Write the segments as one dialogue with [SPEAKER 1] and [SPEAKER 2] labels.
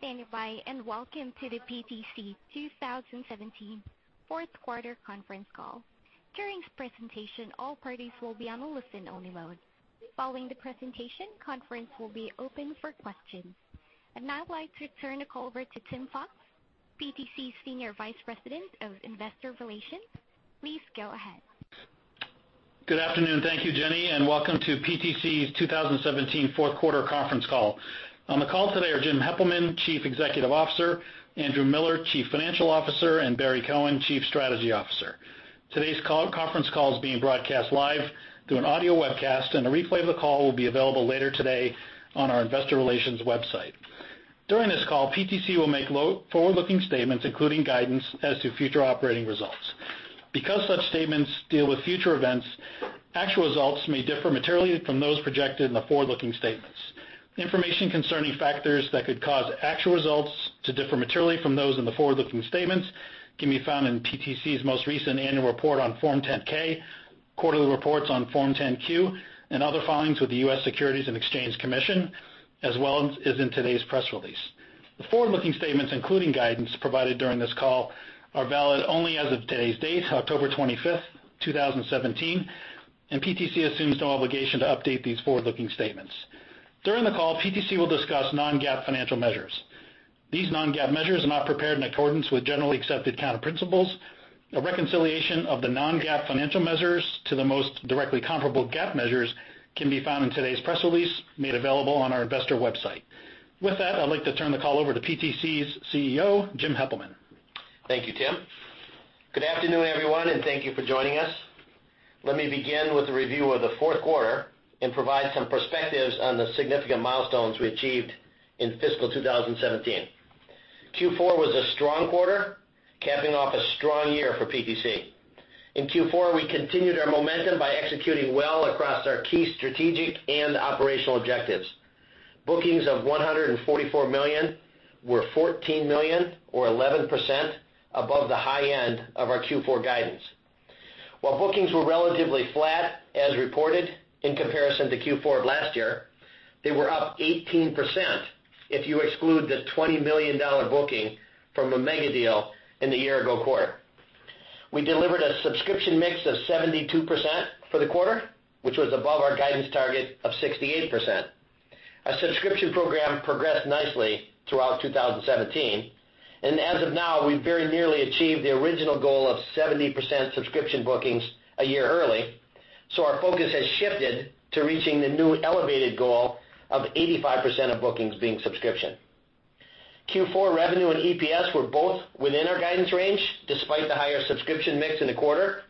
[SPEAKER 1] Thank you for standing by and welcome to the PTC 2017 fourth quarter conference call. During this presentation, all parties will be on a listen-only mode. Following the presentation, conference will be open for questions. I'd now like to turn the call over to Tim Fox, PTC's Senior Vice President of Investor Relations. Please go ahead.
[SPEAKER 2] Good afternoon. Thank you, Jenny. Welcome to PTC's 2017 fourth quarter conference call. On the call today are James Heppelmann, Chief Executive Officer, Andrew Miller, Chief Financial Officer, and Barry Cohen, Chief Strategy Officer. Today's conference call is being broadcast live through an audio webcast. A replay of the call will be available later today on our investor relations website. During this call, PTC will make forward-looking statements, including guidance as to future operating results. Such statements deal with future events, actual results may differ materially from those projected in the forward-looking statements. Information concerning factors that could cause actual results to differ materially from those in the forward-looking statements can be found in PTC's most recent annual report on Form 10-K, quarterly reports on Form 10-Q, and other filings with the U.S. Securities and Exchange Commission, as well as in today's press release. The forward-looking statements, including guidance provided during this call, are valid only as of today's date, October 25, 2017. PTC assumes no obligation to update these forward-looking statements. During the call, PTC will discuss non-GAAP financial measures. These non-GAAP measures are not prepared in accordance with generally accepted accounting principles. A reconciliation of the non-GAAP financial measures to the most directly comparable GAAP measures can be found in today's press release made available on our investor website. With that, I'd like to turn the call over to PTC's CEO, James Heppelmann.
[SPEAKER 3] Thank you, Tim. Good afternoon, everyone. Thank you for joining us. Let me begin with a review of the fourth quarter and provide some perspectives on the significant milestones we achieved in fiscal 2017. Q4 was a strong quarter, capping off a strong year for PTC. In Q4, we continued our momentum by executing well across our key strategic and operational objectives. Bookings of $144 million were $14 million, or 11% above the high end of our Q4 guidance. Bookings were relatively flat as reported in comparison to Q4 of last year, they were up 18% if you exclude the $20 million booking from a mega deal in the year-ago quarter. We delivered a subscription mix of 72% for the quarter, which was above our guidance target of 68%. Our subscription program progressed nicely throughout 2017. As of now, we've very nearly achieved the original goal of 70% subscription bookings a year early. Our focus has shifted to reaching the new elevated goal of 85% of bookings being subscription. Q4 revenue and EPS were both within our guidance range, despite the higher subscription mix in the quarter,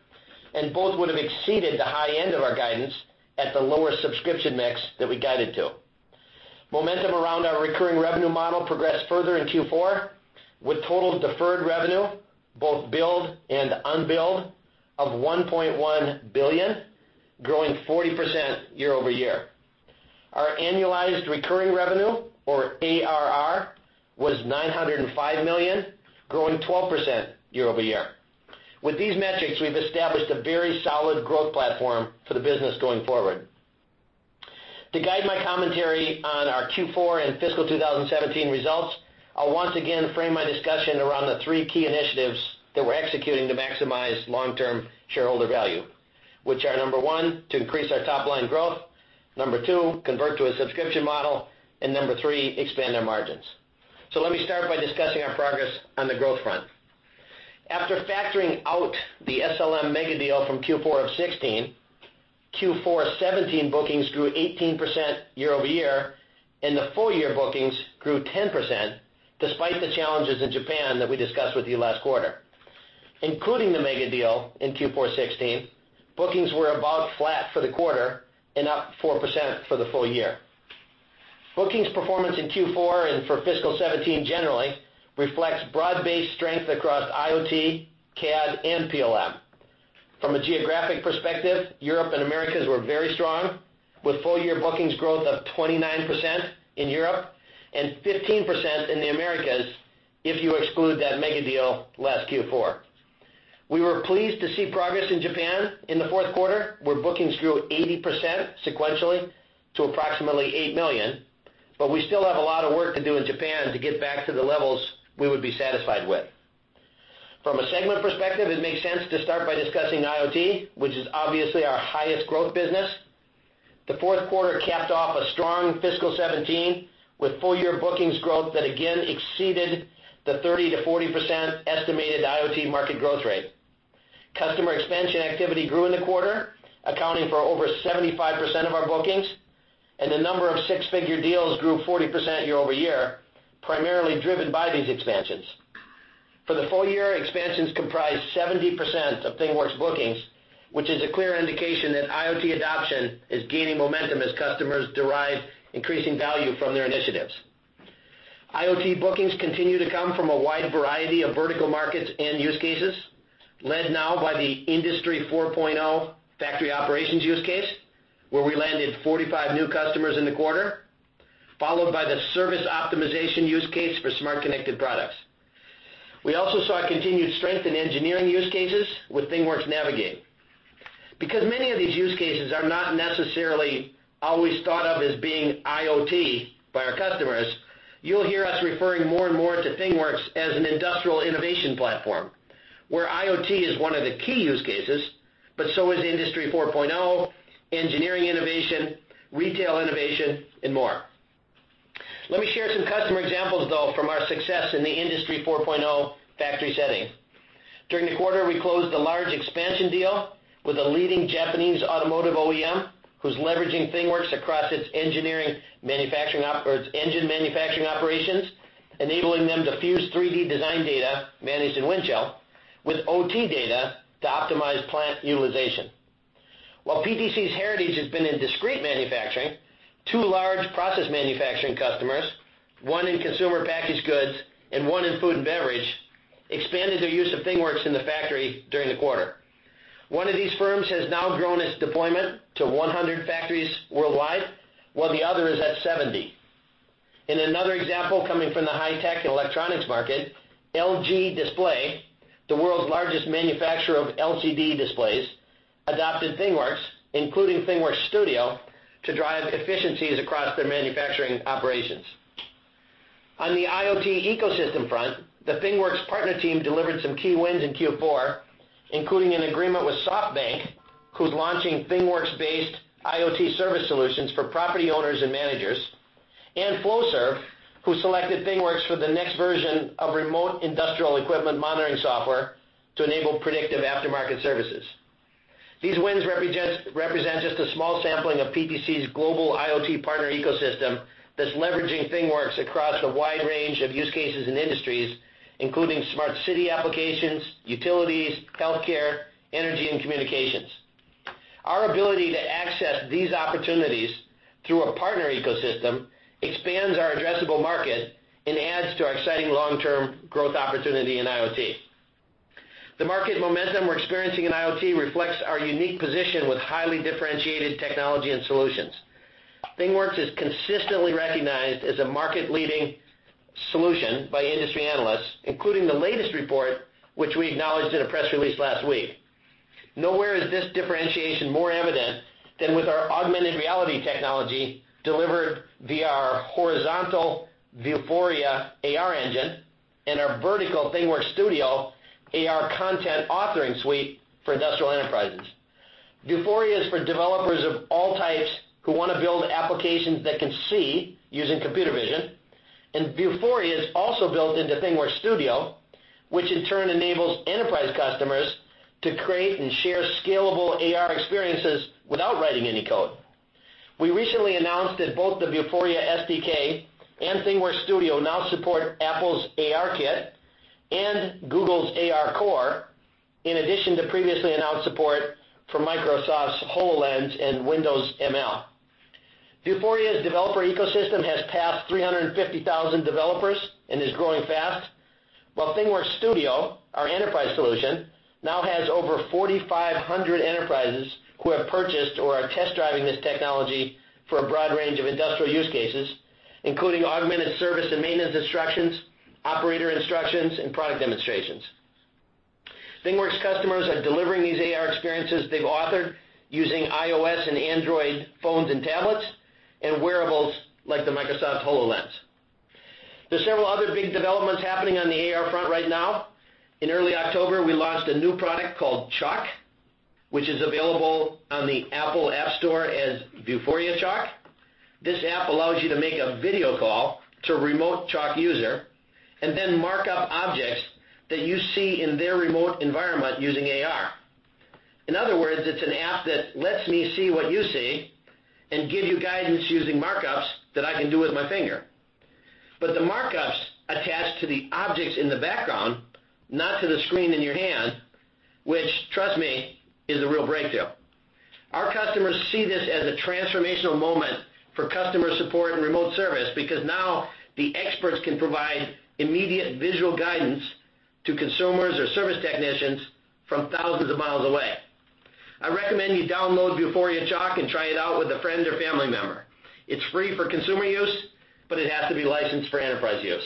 [SPEAKER 3] and both would have exceeded the high end of our guidance at the lower subscription mix that we guided to. Momentum around our recurring revenue model progressed further in Q4, with total deferred revenue, both billed and unbilled, of $1.1 billion, growing 40% year-over-year. Our annualized recurring revenue, or ARR, was $905 million, growing 12% year-over-year. With these metrics, we've established a very solid growth platform for the business going forward. To guide my commentary on our Q4 and fiscal 2017 results, I'll once again frame my discussion around the three key initiatives that we're executing to maximize long-term shareholder value, which are, number one, to increase our top-line growth, number two, convert to a subscription model, and number three, expand our margins. Let me start by discussing our progress on the growth front. After factoring out the SLM mega deal from Q4 of 2016, Q4 2017 bookings grew 18% year-over-year, and the full-year bookings grew 10%, despite the challenges in Japan that we discussed with you last quarter. Including the mega deal in Q4 2016, bookings were about flat for the quarter and up 4% for the full year. Bookings performance in Q4 and for fiscal 2017 generally reflects broad-based strength across IoT, CAD, and PLM. From a geographic perspective, Europe and Americas were very strong, with full-year bookings growth of 29% in Europe and 15% in the Americas if you exclude that mega deal last Q4. We were pleased to see progress in Japan in the fourth quarter, where bookings grew 80% sequentially to approximately $8 million. We still have a lot of work to do in Japan to get back to the levels we would be satisfied with. From a segment perspective, it makes sense to start by discussing IoT, which is obviously our highest growth business. The fourth quarter capped off a strong fiscal 2017 with full-year bookings growth that again exceeded the 30%-40% estimated IoT market growth rate. Customer expansion activity grew in the quarter, accounting for over 75% of our bookings, and the number of six-figure deals grew 40% year-over-year, primarily driven by these expansions. For the full year, expansions comprised 70% of ThingWorx bookings, which is a clear indication that IoT adoption is gaining momentum as customers derive increasing value from their initiatives. IoT bookings continue to come from a wide variety of vertical markets and use cases, led now by the Industry 4.0 factory operations use case, where we landed 45 new customers in the quarter, followed by the service optimization use case for smart connected products. We also saw a continued strength in engineering use cases with ThingWorx Navigate. Because many of these use cases are not necessarily always thought of as being IoT by our customers, you'll hear us referring more and more to ThingWorx as an industrial innovation platform, where IoT is one of the key use cases, but so is Industry 4.0, engineering innovation, retail innovation, and more. Let me share some customer examples, though, from our success in the Industry 4.0 factory setting. During the quarter, we closed a large expansion deal with a leading Japanese automotive OEM who is leveraging ThingWorx across its engine manufacturing operations, enabling them to fuse 3D design data managed in Windchill with OT data to optimize plant utilization. While PTC's heritage has been in discrete manufacturing, two large process manufacturing customers, one in consumer packaged goods and one in food and beverage, expanded their use of ThingWorx in the factory during the quarter. One of these firms has now grown its deployment to 100 factories worldwide, while the other is at 70. In another example coming from the high-tech and electronics market, LG Display, the world's largest manufacturer of LCD displays, adopted ThingWorx, including ThingWorx Studio, to drive efficiencies across their manufacturing operations. On the IoT ecosystem front, the ThingWorx partner team delivered some key wins in Q4, including an agreement with SoftBank, who is launching ThingWorx-based IoT service solutions for property owners and managers, and Flowserve, who selected ThingWorx for the next version of remote industrial equipment monitoring software to enable predictive aftermarket services. These wins represent just a small sampling of PTC's global IoT partner ecosystem that is leveraging ThingWorx across a wide range of use cases and industries, including smart city applications, utilities, healthcare, energy, and communications. Our ability to access these opportunities through a partner ecosystem expands our addressable market and adds to our exciting long-term growth opportunity in IoT. The market momentum we are experiencing in IoT reflects our unique position with highly differentiated technology and solutions. ThingWorx is consistently recognized as a market-leading solution by industry analysts, including the latest report, which we acknowledged in a press release last week. Nowhere is this differentiation more evident than with our augmented reality technology delivered via our horizontal Vuforia AR engine and our vertical ThingWorx Studio AR content authoring suite for industrial enterprises. Vuforia is for developers of all types who want to build applications that can see using computer vision. Vuforia is also built into ThingWorx Studio, which in turn enables enterprise customers to create and share scalable AR experiences without writing any code. We recently announced that both the Vuforia SDK and ThingWorx Studio now support Apple's ARKit and Google's ARCore, in addition to previously announced support for Microsoft's HoloLens and Windows Mixed Reality. Vuforia's developer ecosystem has passed 350,000 developers and is growing fast, while ThingWorx Studio, our enterprise solution, now has over 4,500 enterprises who have purchased or are test-driving this technology for a broad range of industrial use cases, including augmented service and maintenance instructions, operator instructions, and product demonstrations. ThingWorx customers are delivering these AR experiences they have authored using iOS and Android phones and tablets and wearables like the Microsoft HoloLens. There is several other big developments happening on the AR front right now. In early October, we launched a new product called Chalk, which is available on the Apple App Store as Vuforia Chalk. This app allows you to make a video call to a remote Chalk user and then mark up objects that you see in their remote environment using AR. In other words, it's an app that lets me see what you see and give you guidance using markups that I can do with my finger. The markups attach to the objects in the background, not to the screen in your hand, which, trust me, is a real breakthrough. Our customers see this as a transformational moment for customer support and remote service because now the experts can provide immediate visual guidance to consumers or service technicians from thousands of miles away. I recommend you download Vuforia Chalk and try it out with a friend or family member. It's free for consumer use, but it has to be licensed for enterprise use.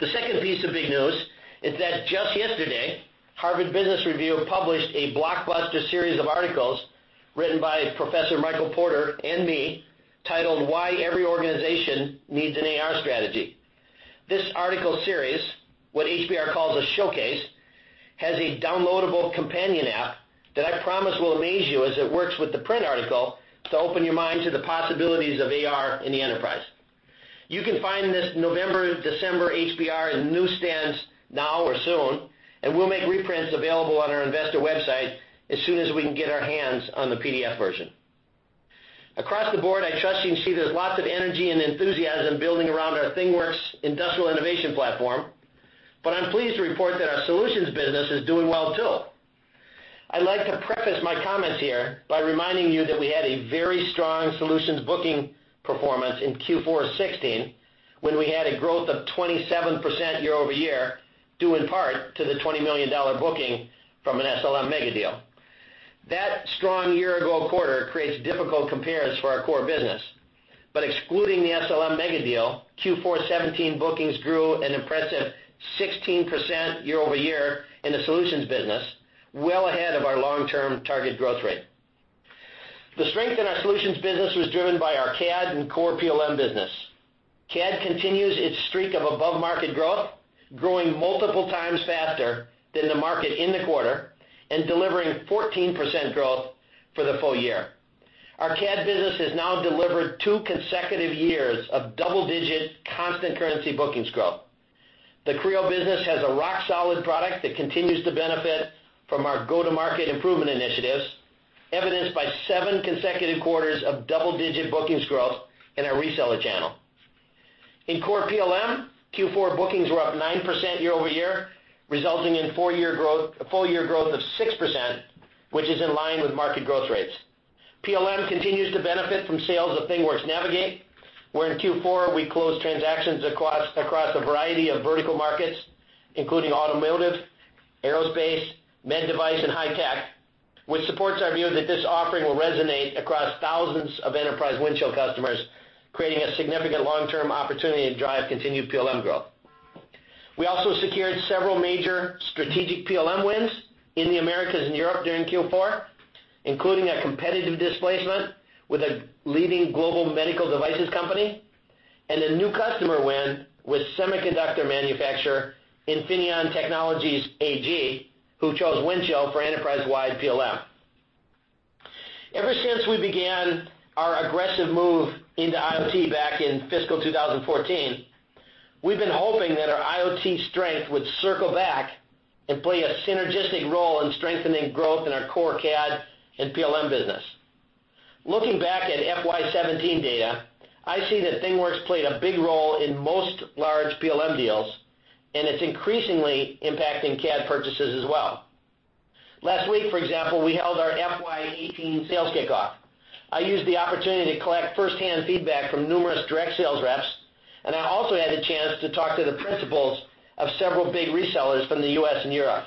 [SPEAKER 3] The second piece of big news is that just yesterday, Harvard Business Review published a blockbuster series of articles written by Professor Michael Porter and me titled "Why Every Organization Needs an AR Strategy." This article series, what HBR calls a showcase, has a downloadable companion app that I promise will amaze you as it works with the print article to open your mind to the possibilities of AR in the enterprise. You can find this November-December HBR in newsstands now or soon, and we'll make reprints available on our investor website as soon as we can get our hands on the PDF version. Across the board, I trust you can see there's lots of energy and enthusiasm building around our ThingWorx industrial innovation platform. I'm pleased to report that our solutions business is doing well, too. I'd like to preface my comments here by reminding you that we had a very strong solutions booking performance in Q4 2016, when we had a growth of 27% year-over-year, due in part to the $20 million booking from an SLM megadeal. That strong year-ago quarter creates difficult comparisons for our core business. Excluding the SLM megadeal, Q4 2017 bookings grew an impressive 16% year-over-year in the solutions business, well ahead of our long-term target growth rate. The strength in our solutions business was driven by our CAD and core PLM business. CAD continues its streak of above-market growth, growing multiple times faster than the market in the quarter, and delivering 14% growth for the full year. Our CAD business has now delivered two consecutive years of double-digit constant currency bookings growth. The Creo business has a rock-solid product that continues to benefit from our go-to-market improvement initiatives, evidenced by seven consecutive quarters of double-digit bookings growth in our reseller channel. In core PLM, Q4 bookings were up 9% year-over-year, resulting in a full-year growth of 6%, which is in line with market growth rates. PLM continues to benefit from sales of ThingWorx Navigate, where in Q4, we closed transactions across a variety of vertical markets, including automotive, aerospace, med device, and high tech, which supports our view that this offering will resonate across thousands of enterprise Windchill customers, creating a significant long-term opportunity to drive continued PLM growth. We also secured several major strategic PLM wins in the Americas and Europe during Q4, including a competitive displacement with a leading global medical devices company, and a new customer win with semiconductor manufacturer Infineon Technologies AG, who chose Windchill for enterprise-wide PLM. Ever since we began our aggressive move into IoT back in fiscal 2014, we've been hoping that our IoT strength would circle back and play a synergistic role in strengthening growth in our core CAD and PLM business. Looking back at FY 2017 data, I see that ThingWorx played a big role in most large PLM deals, and it's increasingly impacting CAD purchases as well. Last week, for example, we held our FY 2018 sales kickoff. I used the opportunity to collect firsthand feedback from numerous direct sales reps, and I also had the chance to talk to the principals of several big resellers from the U.S. and Europe.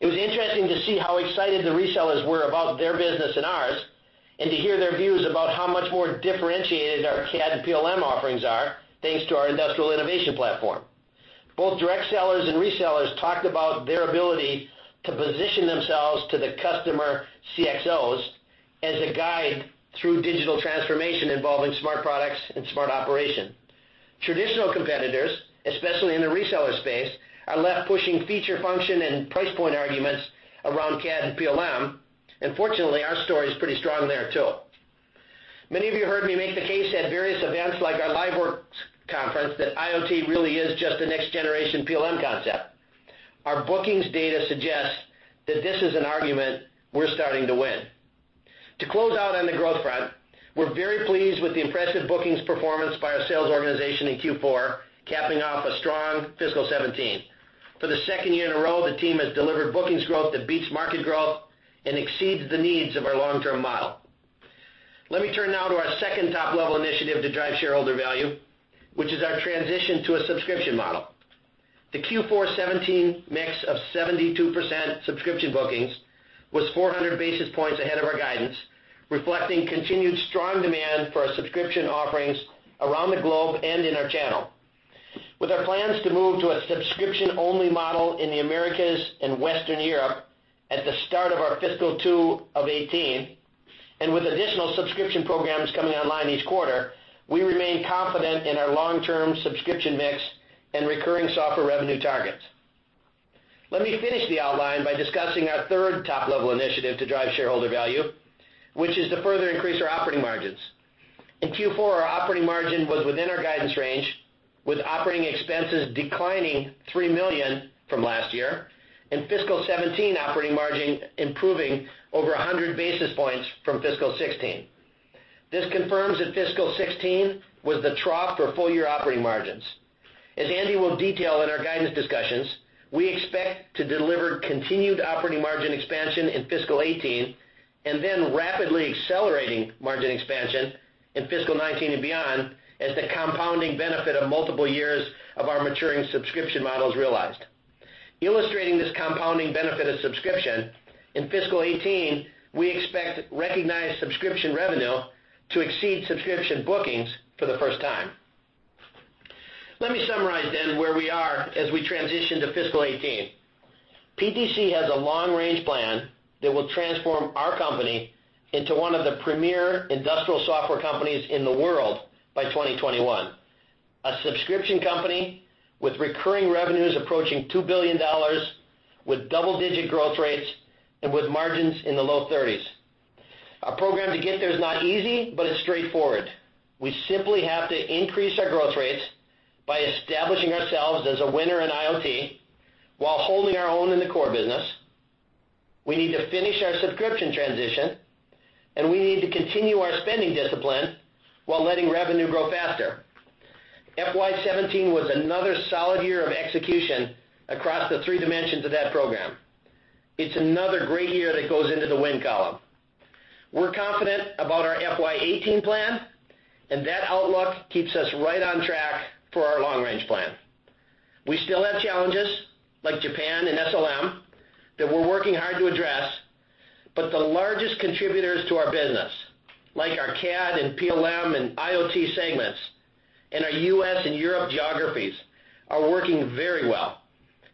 [SPEAKER 3] It was interesting to see how excited the resellers were about their business and ours, and to hear their views about how much more differentiated our CAD and PLM offerings are, thanks to our industrial innovation platform. Both direct sellers and resellers talked about their ability to position themselves to the customer CXOs as a guide through digital transformation involving smart products and smart operation. Traditional competitors, especially in the reseller space, are left pushing feature function and price point arguments around CAD and PLM. Fortunately, our story is pretty strong there, too. Many of you heard me make the case at various events like our LiveWorx conference that IoT really is just the next generation PLM concept. Our bookings data suggests that this is an argument we're starting to win. To close out on the growth front, we're very pleased with the impressive bookings performance by our sales organization in Q4, capping off a strong fiscal 2017. For the second year in a row, the team has delivered bookings growth that beats market growth and exceeds the needs of our long-term model. Let me turn now to our second top-level initiative to drive shareholder value, which is our transition to a subscription model. The Q4 2017 mix of 72% subscription bookings was 400 basis points ahead of our guidance, reflecting continued strong demand for our subscription offerings around the globe and in our channel. With our plans to move to a subscription-only model in the Americas and Western Europe at the start of our fiscal 2 of 2018, with additional subscription programs coming online each quarter, we remain confident in our long-term subscription mix and recurring software revenue targets. Let me finish the outline by discussing our third top-level initiative to drive shareholder value, which is to further increase our operating margins. In Q4, our operating margin was within our guidance range, with operating expenses declining $3 million from last year and fiscal 2017 operating margin improving over 100 basis points from fiscal 2016. This confirms that fiscal 2016 was the trough for full-year operating margins. As Andy will detail in our guidance discussions, we expect to deliver continued operating margin expansion in fiscal 2018, rapidly accelerating margin expansion in fiscal 2019 and beyond as the compounding benefit of multiple years of our maturing subscription model is realized. Illustrating this compounding benefit of subscription, in fiscal 2018, we expect recognized subscription revenue to exceed subscription bookings for the first time. Let me summarize where we are as we transition to fiscal 2018. PTC has a long-range plan that will transform our company into one of the premier industrial software companies in the world by 2021. A subscription company with recurring revenues approaching $2 billion, with double-digit growth rates, and with margins in the low 30s. Our program to get there is not easy, but it's straightforward. We simply have to increase our growth rates by establishing ourselves as a winner in IoT while holding our own in the core business. We need to finish our subscription transition, and we need to continue our spending discipline while letting revenue grow faster. FY 2017 was another solid year of execution across the three dimensions of that program. It's another great year that goes into the win column. We are confident about our FY 2018 plan, and that outlook keeps us right on track for our long-range plan. We still have challenges, like Japan that we are working hard to address. The largest contributors to our business, like our CAD and PLM and IoT segments, and our U.S. and Europe geographies, are working very well,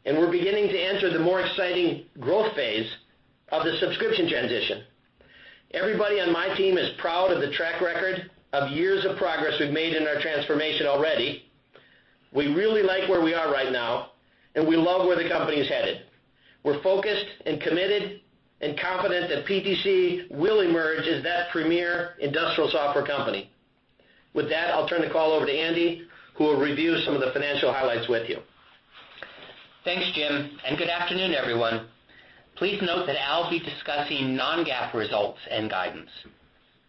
[SPEAKER 3] and we are beginning to enter the more exciting growth phase of the subscription transition. Everybody on my team is proud of the track record of years of progress we have made in our transformation already. We really like where we are right now, and we love where the company is headed. We are focused and committed and confident that PTC will emerge as that premier industrial software company. With that, I will turn the call over to Andy, who will review some of the financial highlights with you.
[SPEAKER 4] Thanks, Jim, and good afternoon, everyone. Please note that I will be discussing non-GAAP results and guidance.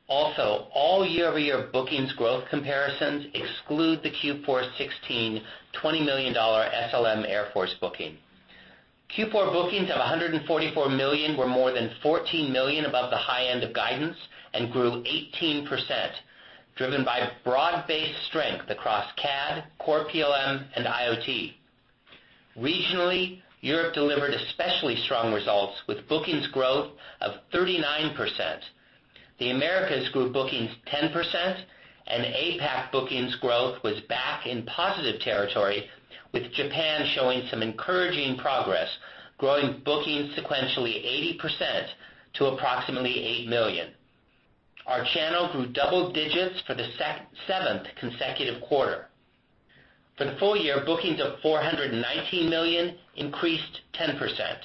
[SPEAKER 4] All year-over-year bookings growth comparisons exclude the Q4 2016 $20 million SLM Air Force booking. Q4 bookings of $144 million were more than $14 million above the high end of guidance and grew 18%, driven by broad-based strength across CAD, core PLM and IoT. Regionally, Europe delivered especially strong results with bookings growth of 39%. The Americas grew bookings 10%, and APAC bookings growth was back in positive territory, with Japan showing some encouraging progress, growing bookings sequentially 80% to approximately $8 million. Our channel grew double digits for the seventh consecutive quarter. For the full year, bookings of $419 million increased 10%.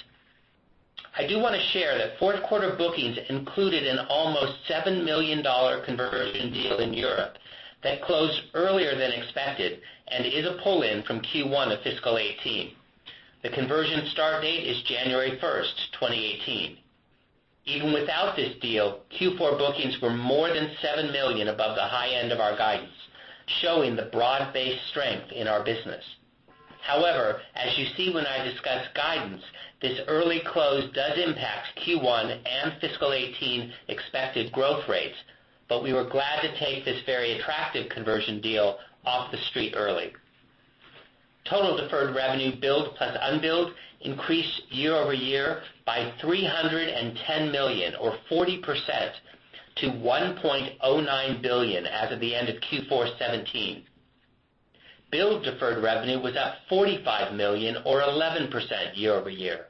[SPEAKER 4] I do want to share that fourth quarter bookings included an almost $7 million conversion deal in Europe that closed earlier than expected and is a pull-in from Q1 of fiscal 2018. The conversion start date is January 1st, 2018. Even without this deal, Q4 bookings were more than $7 million above the high end of our guidance, showing the broad-based strength in our business. As you see when I discuss guidance, this early close does impact Q1 and fiscal 2018 expected growth rates, but we were glad to take this very attractive conversion deal off the street early. Total deferred revenue, billed plus unbilled, increased year-over-year by $310 million or 40% to $1.09 billion as of the end of Q4 2017. Billed deferred revenue was up $45 million or 11% year-over-year.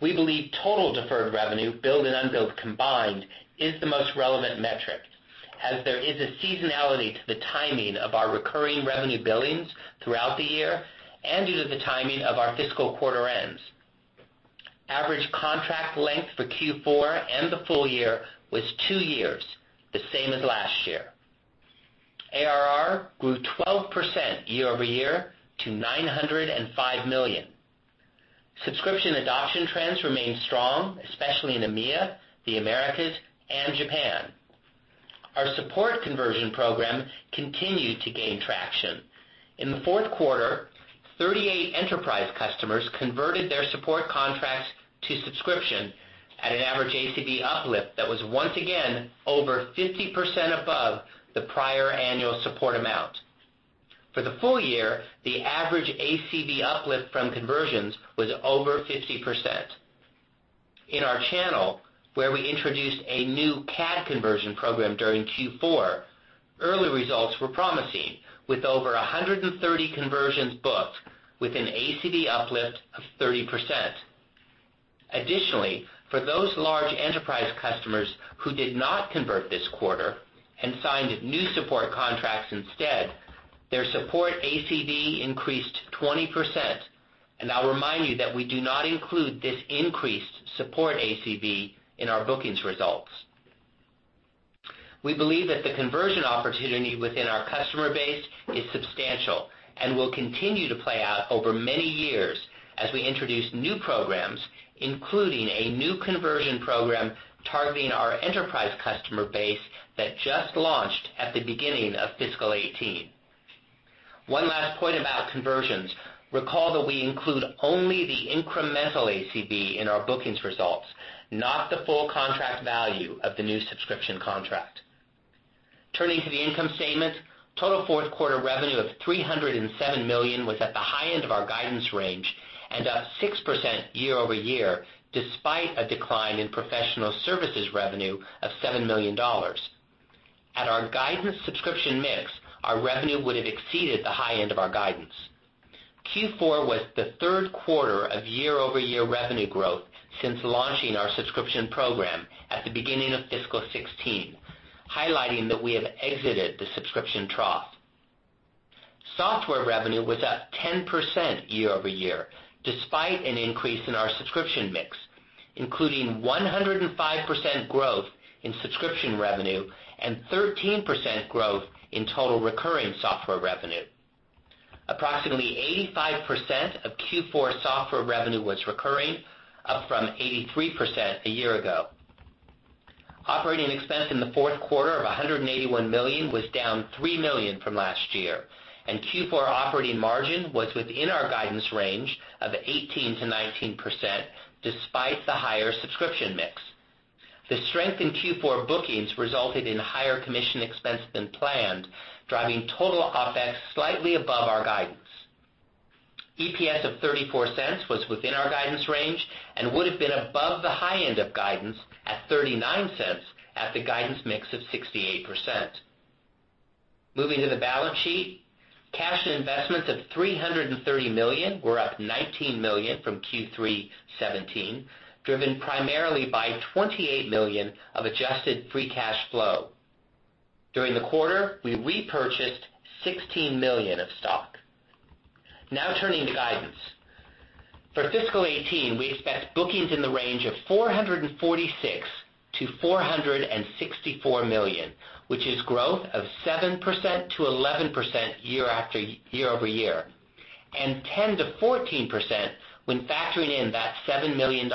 [SPEAKER 4] We believe total deferred revenue, billed and unbilled combined, is the most relevant metric, as there is a seasonality to the timing of our recurring revenue billings throughout the year and due to the timing of our fiscal quarter ends. Average contract length for Q4 and the full year was two years, the same as last year. ARR grew 12% year-over-year to $905 million. Subscription adoption trends remain strong, especially in EMEA, the Americas, and Japan. Our support conversion program continued to gain traction. In the fourth quarter, 38 enterprise customers converted their support contracts to subscription at an average ACV uplift that was once again over 50% above the prior annual support amount. For the full year, the average ACV uplift from conversions was over 50%. In our channel, where we introduced a new CAD conversion program during Q4, early results were promising, with over 130 conversions booked with an ACV uplift of 30%. Additionally, for those large enterprise customers who did not convert this quarter and signed new support contracts instead, their support ACV increased 20%, and I'll remind you that we do not include this increased support ACV in our bookings results. We believe that the conversion opportunity within our customer base is substantial and will continue to play out over many years as we introduce new programs, including a new conversion program targeting our enterprise customer base that just launched at the beginning of fiscal 2018. One last point about conversions. Recall that we include only the incremental ACV in our bookings results, not the full contract value of the new subscription contract. Turning to the income statement, total fourth quarter revenue of $307 million was at the high end of our guidance range and up 6% year-over-year, despite a decline in professional services revenue of $7 million. At our guidance subscription mix, our revenue would have exceeded the high end of our guidance. Q4 was the third quarter of year-over-year revenue growth since launching our subscription program at the beginning of fiscal 2016, highlighting that we have exited the subscription trough. Software revenue was up 10% year-over-year, despite an increase in our subscription mix, including 105% growth in subscription revenue and 13% growth in total recurring software revenue. Approximately 85% of Q4 software revenue was recurring, up from 83% a year ago. Operating expense in the fourth quarter of $181 million was down $3 million from last year, and Q4 operating margin was within our guidance range of 18%-19%, despite the higher subscription mix. The strength in Q4 bookings resulted in higher commission expense than planned, driving total OpEx slightly above our guidance. EPS of $0.34 was within our guidance range and would have been above the high end of guidance at $0.39 at the guidance mix of 68%. Moving to the balance sheet, cash and investments of $330 million were up $19 million from Q3 2017, driven primarily by $28 million of adjusted free cash flow. During the quarter, we repurchased $16 million of stock. Turning to guidance. For fiscal 2018, we expect bookings in the range of $446 million-$464 million, which is growth of 7%-11% year-over-year, and 10%-14% when factoring in that $7 million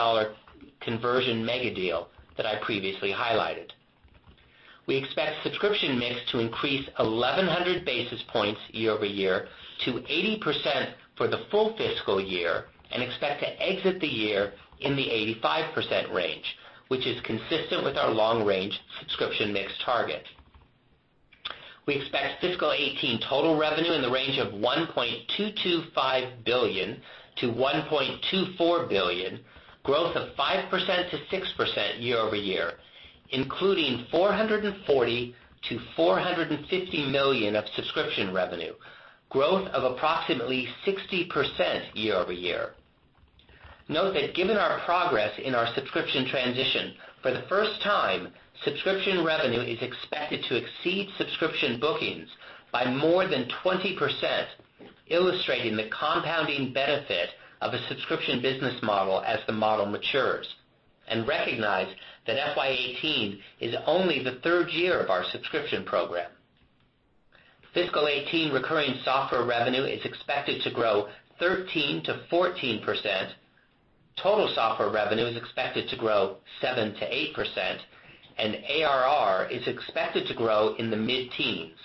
[SPEAKER 4] conversion megadeal that I previously highlighted. We expect subscription mix to increase 1,100 basis points year-over-year to 80% for the full fiscal year, and expect to exit the year in the 85% range, which is consistent with our long-range subscription mix target. We expect fiscal 2018 total revenue in the range of $1.225 billion-$1.24 billion, growth of 5%-6% year-over-year, including $440 million-$450 million of subscription revenue, growth of approximately 60% year-over-year. Note that given our progress in our subscription transition, for the first time, subscription revenue is expected to exceed subscription bookings by more than 20%, illustrating the compounding benefit of a subscription business model as the model matures. Recognize that FY 2018 is only the third year of our subscription program. Fiscal 2018 recurring software revenue is expected to grow 13%-14%. Total software revenue is expected to grow 7%-8%, and ARR is expected to grow in the mid-teens.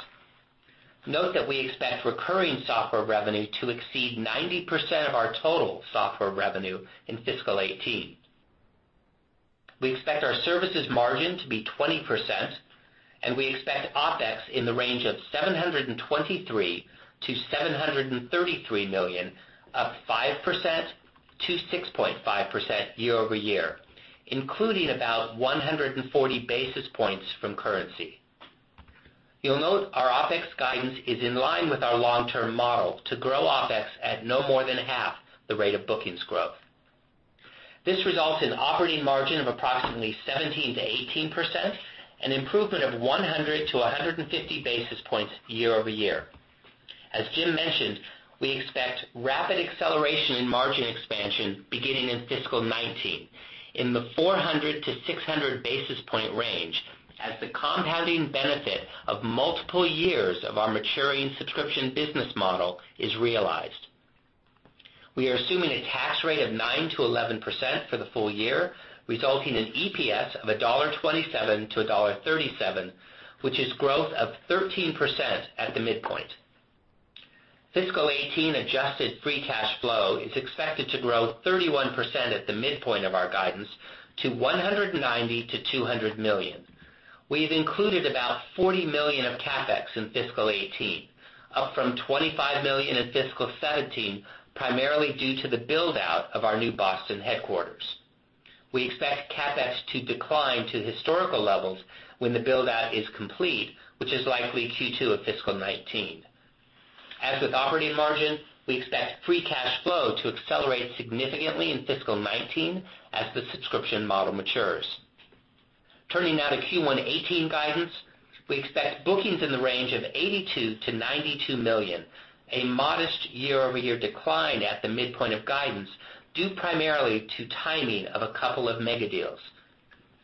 [SPEAKER 4] Note that we expect recurring software revenue to exceed 90% of our total software revenue in fiscal 2018. We expect our services margin to be 20%, and we expect OpEx in the range of $723 million-$733 million, up 5%-6.5% year-over-year, including about 140 basis points from currency. You'll note our OpEx guidance is in line with our long-term model to grow OpEx at no more than half the rate of bookings growth. This results in operating margin of approximately 17%-18%, an improvement of 100-150 basis points year-over-year. As Jim mentioned, we expect rapid acceleration in margin expansion beginning in fiscal 2019, in the 400-600 basis point range, as the compounding benefit of multiple years of our maturing subscription business model is realized. We are assuming a tax rate of 9%-11% for the full year, resulting in EPS of $1.27-$1.37, which is growth of 13% at the midpoint. Fiscal 2018 adjusted free cash flow is expected to grow 31% at the midpoint of our guidance to $190 million-$200 million. We've included about $40 million of CapEx in fiscal 2018, up from $25 million in fiscal 2017, primarily due to the build-out of our new Boston headquarters. We expect CapEx to decline to historical levels when the build-out is complete, which is likely Q2 of fiscal 2019. As with operating margin, we expect free cash flow to accelerate significantly in fiscal 2019 as the subscription model matures. Turning now to Q1 2018 guidance. We expect bookings in the range of $82 million-$92 million, a modest year-over-year decline at the midpoint of guidance, due primarily to timing of a couple of megadeals.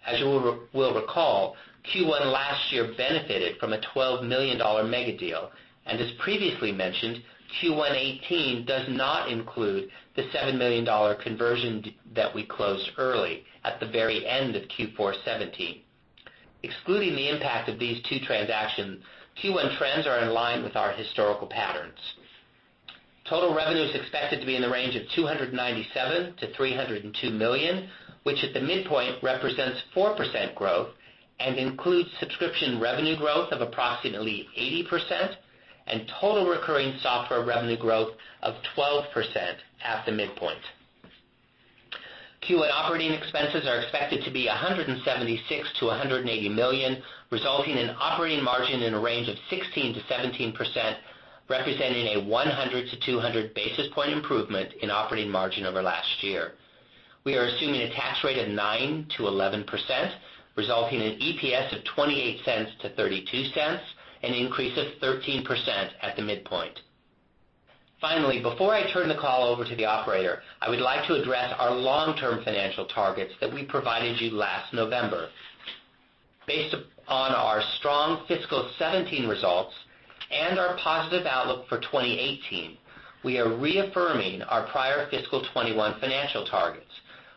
[SPEAKER 4] As you will recall, Q1 last year benefited from a $12 million megadeal, and as previously mentioned, Q1 2018 does not include the $7 million conversion that we closed early at the very end of Q4 2017. Excluding the impact of these two transactions, Q1 trends are in line with our historical patterns. Total revenue is expected to be in the range of $297 million-$302 million, which at the midpoint represents 4% growth and includes subscription revenue growth of approximately 80% and total recurring software revenue growth of 12% at the midpoint. Q1 operating expenses are expected to be $176 million-$180 million, resulting in operating margin in a range of 16%-17%, representing a 100-200 basis point improvement in operating margin over last year. We are assuming a tax rate of 9%-11%, resulting in EPS of $0.28-$0.32, an increase of 13% at the midpoint. Finally, before I turn the call over to the operator, I would like to address our long-term financial targets that we provided you last November. Based on our strong fiscal 2017 results and our positive outlook for 2018, we are reaffirming our prior fiscal 2021 financial targets,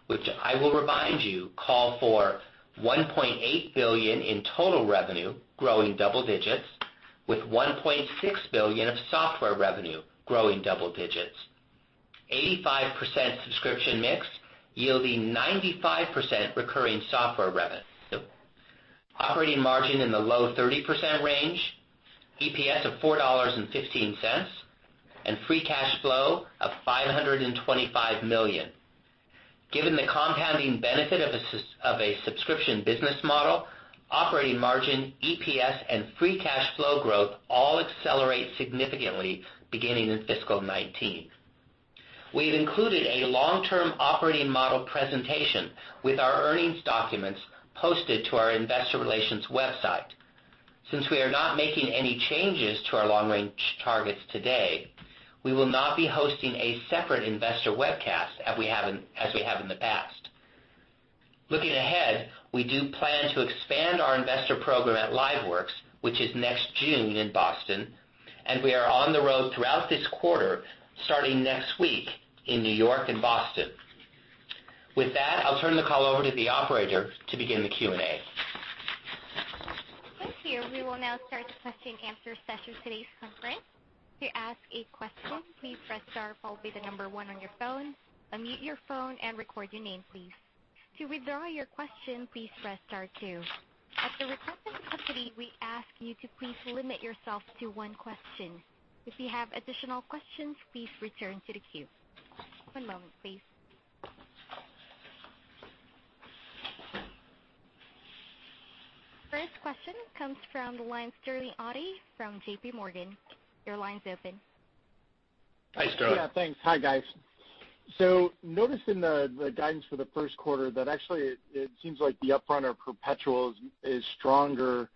[SPEAKER 4] which I will remind you call for $1.8 billion in total revenue, growing double digits, with $1.6 billion of software revenue, growing double digits. 85% subscription mix yielding 95% recurring software revenue. Operating margin in the low 30% range, EPS of $4.15, and free cash flow of $525 million. Given the compounding benefit of a subscription business model, operating margin, EPS, and free cash flow growth all accelerate significantly beginning in fiscal 2019. We've included a long-term operating model presentation with our earnings documents posted to our investor relations website. Since we are not making any changes to our long-range targets today, we will not be hosting a separate investor webcast as we have in the past. Looking ahead, we do plan to expand our investor program at LiveWorx, which is next June in Boston, and we are on the road throughout this quarter, starting next week in New York and Boston. With that, I'll turn the call over to the operator to begin the Q&A.
[SPEAKER 1] Thank you. We will now start the question answer session for today's conference. To ask a question, please press star, followed by the number 1 on your phone, unmute your phone, and record your name, please. To withdraw your question, please press star two. At the request of the company, we ask you to please limit yourself to one question. If you have additional questions, please return to the queue. One moment, please. First question comes from the line of Sterling Auty from J.P. Morgan. Your line's open.
[SPEAKER 4] Hi, Sterling.
[SPEAKER 5] Thanks. Hi, guys. Noticed in the guidance for the first quarter that actually it seems like the upfront or perpetual is stronger,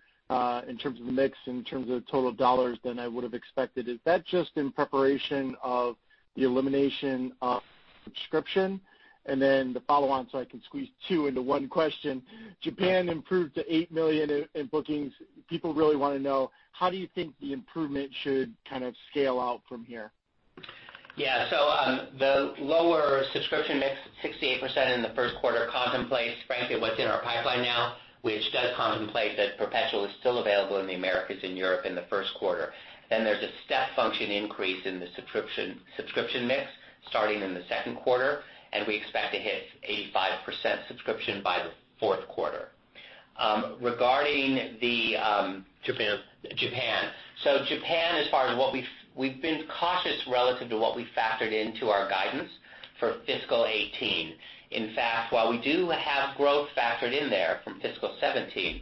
[SPEAKER 5] in terms of mix, in terms of total dollars, than I would have expected. Is that just in preparation of the elimination of subscription? The follow-on, so I can squeeze two into one question, Japan improved to $8 million in bookings. People really want to know, how do you think the improvement should kind of scale out from here?
[SPEAKER 4] Yeah. The lower subscription mix, 68% in the first quarter, contemplates, frankly, what's in our pipeline now, which does contemplate that perpetual is still available in the Americas and Europe in the first quarter. There's a step function increase in the subscription mix starting in the second quarter, and we expect to hit 85% subscription by the fourth quarter.
[SPEAKER 5] Japan
[SPEAKER 4] Japan. Japan, as far as we've been cautious relative to what we factored into our guidance for fiscal 2018. In fact, while we do have growth factored in there from fiscal 2017,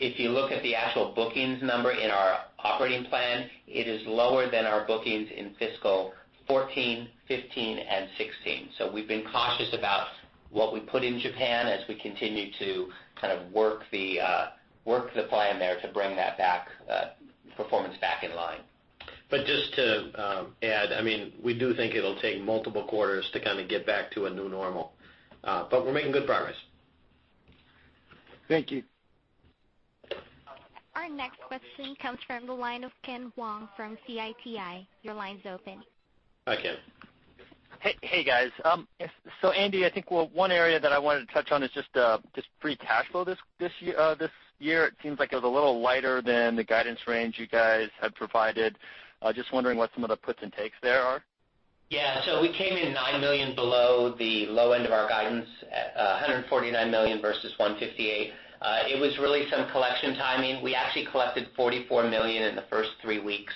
[SPEAKER 4] if you look at the actual bookings number in our operating plan, it is lower than our bookings in fiscal 2014, 2015, and 2016. We've been cautious about what we put in Japan as we continue to kind of work the plan there to bring that performance back in line.
[SPEAKER 3] Just to add, we do think it'll take multiple quarters to kind of get back to a new normal. We're making good progress.
[SPEAKER 5] Thank you.
[SPEAKER 1] Our next question comes from the line of Ken Wong from Citi. Your line's open.
[SPEAKER 4] Hi, Ken.
[SPEAKER 6] Hey, guys. Andy, I think one area that I wanted to touch on is just free cash flow this year. It seems like it was a little lighter than the guidance range you guys have provided. Just wondering what some of the puts and takes there are.
[SPEAKER 4] Yeah. We came in $9 million below the low end of our guidance at $149 million versus $158. It was really some collection timing. We actually collected $44 million in the first three weeks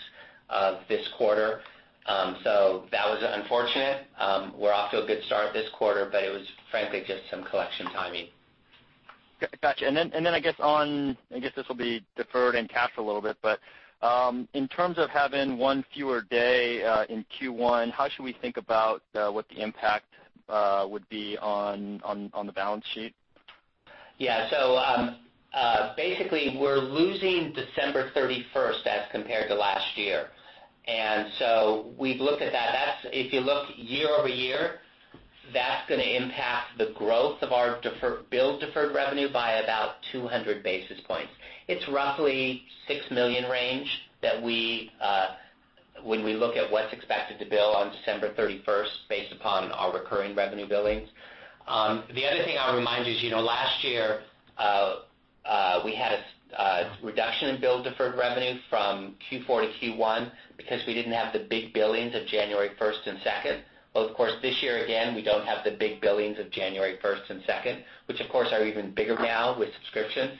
[SPEAKER 4] of this quarter. That was unfortunate. We're off to a good start this quarter, it was frankly just some collection timing.
[SPEAKER 6] Gotcha. I guess this will be deferred and cash a little bit, in terms of having one fewer day in Q1, how should we think about what the impact would be on the balance sheet?
[SPEAKER 4] Yeah. Basically, we're losing December 31st as compared to last year. We've looked at that. If you look year-over-year, that's going to impact the growth of our billed deferred revenue by about 200 basis points. It's roughly $6 million range when we look at what's expected to bill on December 31st based upon our recurring revenue billings. The other thing I'll remind is, last year, we had a reduction in billed deferred revenue from Q4 to Q1 because we didn't have the big billings of January 1st and 2nd. Of course, this year again, we don't have the big billings of January 1st and 2nd, which of course are even bigger now with subscription.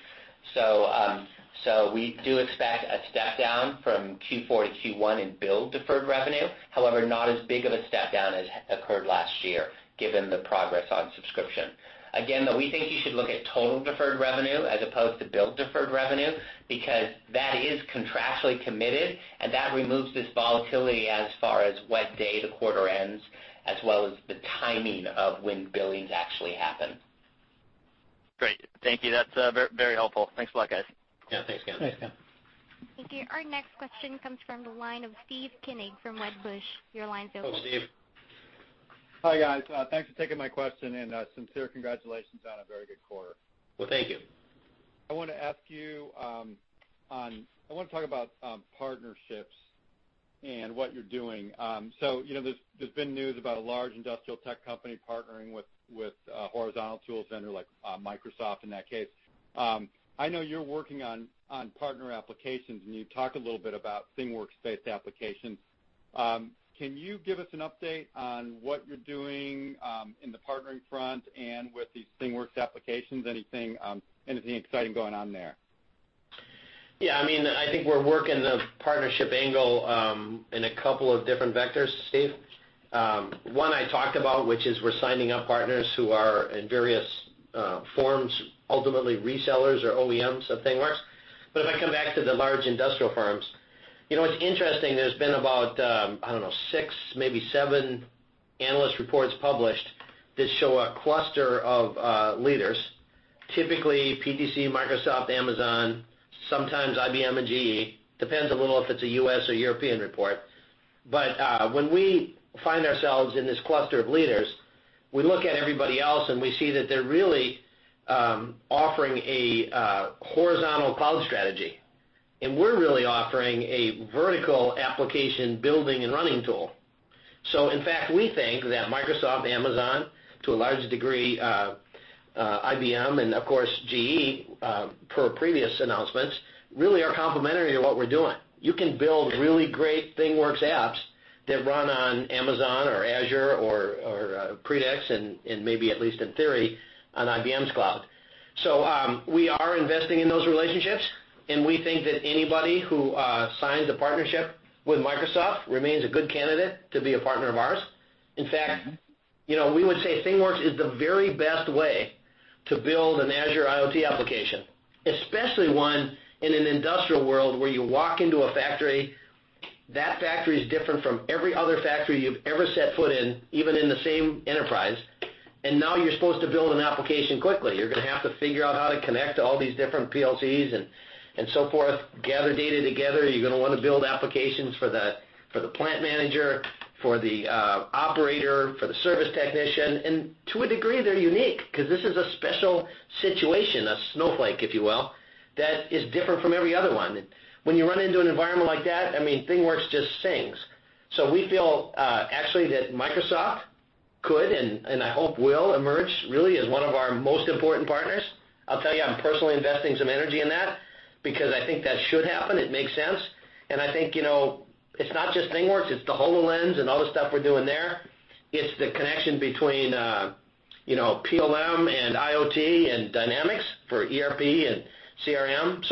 [SPEAKER 4] We do expect a step down from Q4 to Q1 in billed deferred revenue. However, not as big of a step down as occurred last year given the progress on subscription. Again, though, we think you should look at total deferred revenue as opposed to billed deferred revenue because that is contractually committed and that removes this volatility as far as what day the quarter ends as well as the timing of when billings actually happen.
[SPEAKER 6] Great. Thank you. That's very helpful. Thanks a lot, guys.
[SPEAKER 4] Yeah. Thanks, Ken.
[SPEAKER 3] Thanks, Ken.
[SPEAKER 1] Thank you. Our next question comes from the line of Steve Koenig from Wedbush. Your line's open.
[SPEAKER 4] Hello, Steve.
[SPEAKER 7] Hi, guys. Thanks for taking my question and sincere congratulations on a very good quarter.
[SPEAKER 4] Well, thank you.
[SPEAKER 7] I want to talk about partnerships and what you're doing. There's been news about a large industrial tech company partnering with a horizontal tool center like Microsoft in that case. I know you're working on partner applications, and you talked a little bit about ThingWorx-based applications. Can you give us an update on what you're doing in the partnering front and with these ThingWorx applications? Anything exciting going on there?
[SPEAKER 3] Yeah. I think we're working the partnership angle in a couple of different vectors, Steve. One I talked about, which is we're signing up partners who are, in various forms, ultimately resellers or OEMs of ThingWorx. If I come back to the large industrial firms, what's interesting, there's been about, I don't know, six, maybe seven analyst reports published that show a cluster of leaders, typically PTC, Microsoft, Amazon, sometimes IBM and GE. Depends a little if it's a U.S. or European report. When we find ourselves in this cluster of leaders, we look at everybody else, and we see that they're really offering a horizontal cloud strategy, and we're really offering a vertical application building and running tool. In fact, we think that Microsoft, Amazon, to a large degree, IBM, and of course GE, per previous announcements, really are complementary to what we're doing. You can build really great ThingWorx apps that run on Amazon or Azure or Predix, and maybe, at least in theory, on IBM's cloud. We are investing in those relationships, and we think that anybody who signs a partnership with Microsoft remains a good candidate to be a partner of ours. In fact, we would say ThingWorx is the very best way to build an Azure IoT application, especially one in an industrial world where you walk into a factory. That factory is different from every other factory you've ever set foot in, even in the same enterprise. Now you're supposed to build an application quickly. You're going to have to figure out how to connect to all these different PLCs and so forth, gather data together. You're going to want to build applications for the plant manager, for the operator, for the service technician. To a degree, they're unique because this is a special situation, a snowflake, if you will, that is different from every other one. When you run into an environment like that, ThingWorx just sings. We feel, actually, that Microsoft could, and I hope will, emerge really as one of our most important partners. I'll tell you, I'm personally investing some energy in that because I think that should happen. It makes sense. I think it's not just ThingWorx, it's the HoloLens and all the stuff we're doing there. It's the connection between PLM and IoT and Dynamics for ERP and CRM.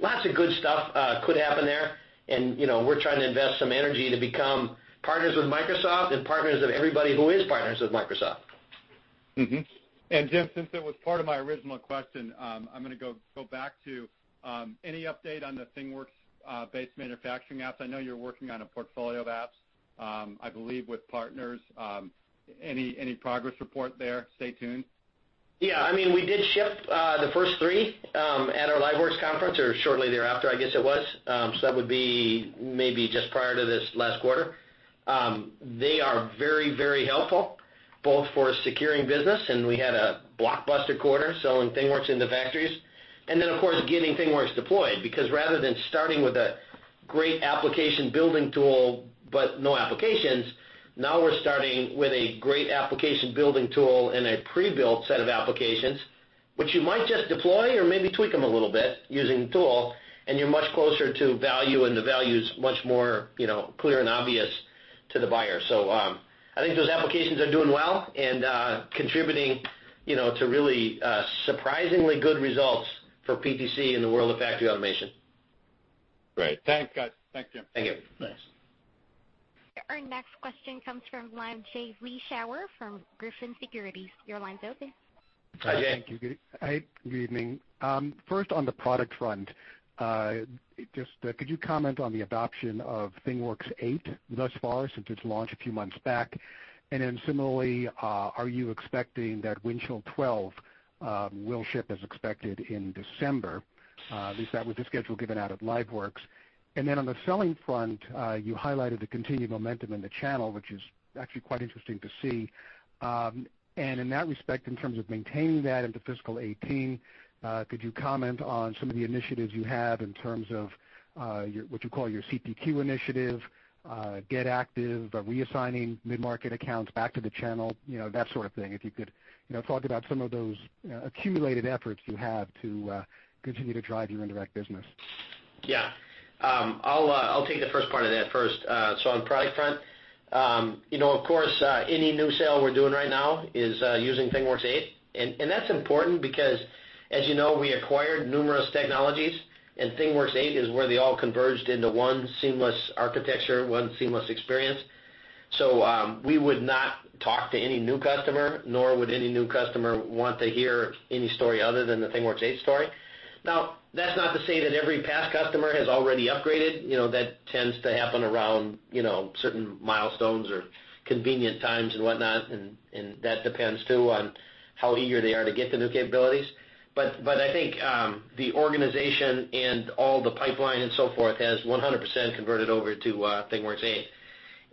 [SPEAKER 3] Lots of good stuff could happen there, and we're trying to invest some energy to become partners with Microsoft and partners of everybody who is partners with Microsoft.
[SPEAKER 7] Jim, since it was part of my original question, I'm going to go back to any update on the ThingWorx-based manufacturing apps. I know you're working on a portfolio of apps, I believe, with partners. Any progress report there? Stay tuned?
[SPEAKER 3] We did ship the first three at our LiveWorx conference, or shortly thereafter, I guess it was. That would be maybe just prior to this last quarter. They are very helpful both for securing business, and we had a blockbuster quarter selling ThingWorx into factories. Of course, getting ThingWorx deployed, because rather than starting with a great application-building tool but no applications, now we're starting with a great application-building tool and a pre-built set of applications, which you might just deploy or maybe tweak them a little bit using the tool, and you're much closer to value, and the value's much more clear and obvious to the buyer. I think those applications are doing well and contributing to really surprisingly good results for PTC in the world of factory automation.
[SPEAKER 7] Great. Thanks, guys. Thanks, Jim.
[SPEAKER 3] Thank you.
[SPEAKER 7] Thanks.
[SPEAKER 1] Our next question comes from Jay Vleeschhouwer from Griffin Securities. Your line's open.
[SPEAKER 3] Hi, Jay.
[SPEAKER 8] Thank you. Hi. Good evening. First, on the product front, just could you comment on the adoption of ThingWorx 8 thus far since its launch a few months back? Similarly, are you expecting that Windchill 12 will ship as expected in December? At least that was the schedule given out at LiveWorx. On the selling front, you highlighted the continued momentum in the channel, which is actually quite interesting to see. In that respect, in terms of maintaining that into fiscal 2018, could you comment on some of the initiatives you have in terms of what you call your CPQ initiative, Get Active, reassigning mid-market accounts back to the channel, that sort of thing? If you could talk about some of those accumulated efforts you have to continue to drive your indirect business.
[SPEAKER 3] Yeah. I'll take the first part of that first. On product front, of course, any new sale we're doing right now is using ThingWorx 8, that's important because, as you know, we acquired numerous technologies, ThingWorx 8 is where they all converged into one seamless architecture, one seamless experience. We would not talk to any new customer, nor would any new customer want to hear any story other than the ThingWorx 8 story. Now, that's not to say that every past customer has already upgraded. That tends to happen around certain milestones or convenient times and whatnot, and that depends too on how eager they are to get the new capabilities. I think the organization and all the pipeline and so forth has 100% converted over to ThingWorx 8.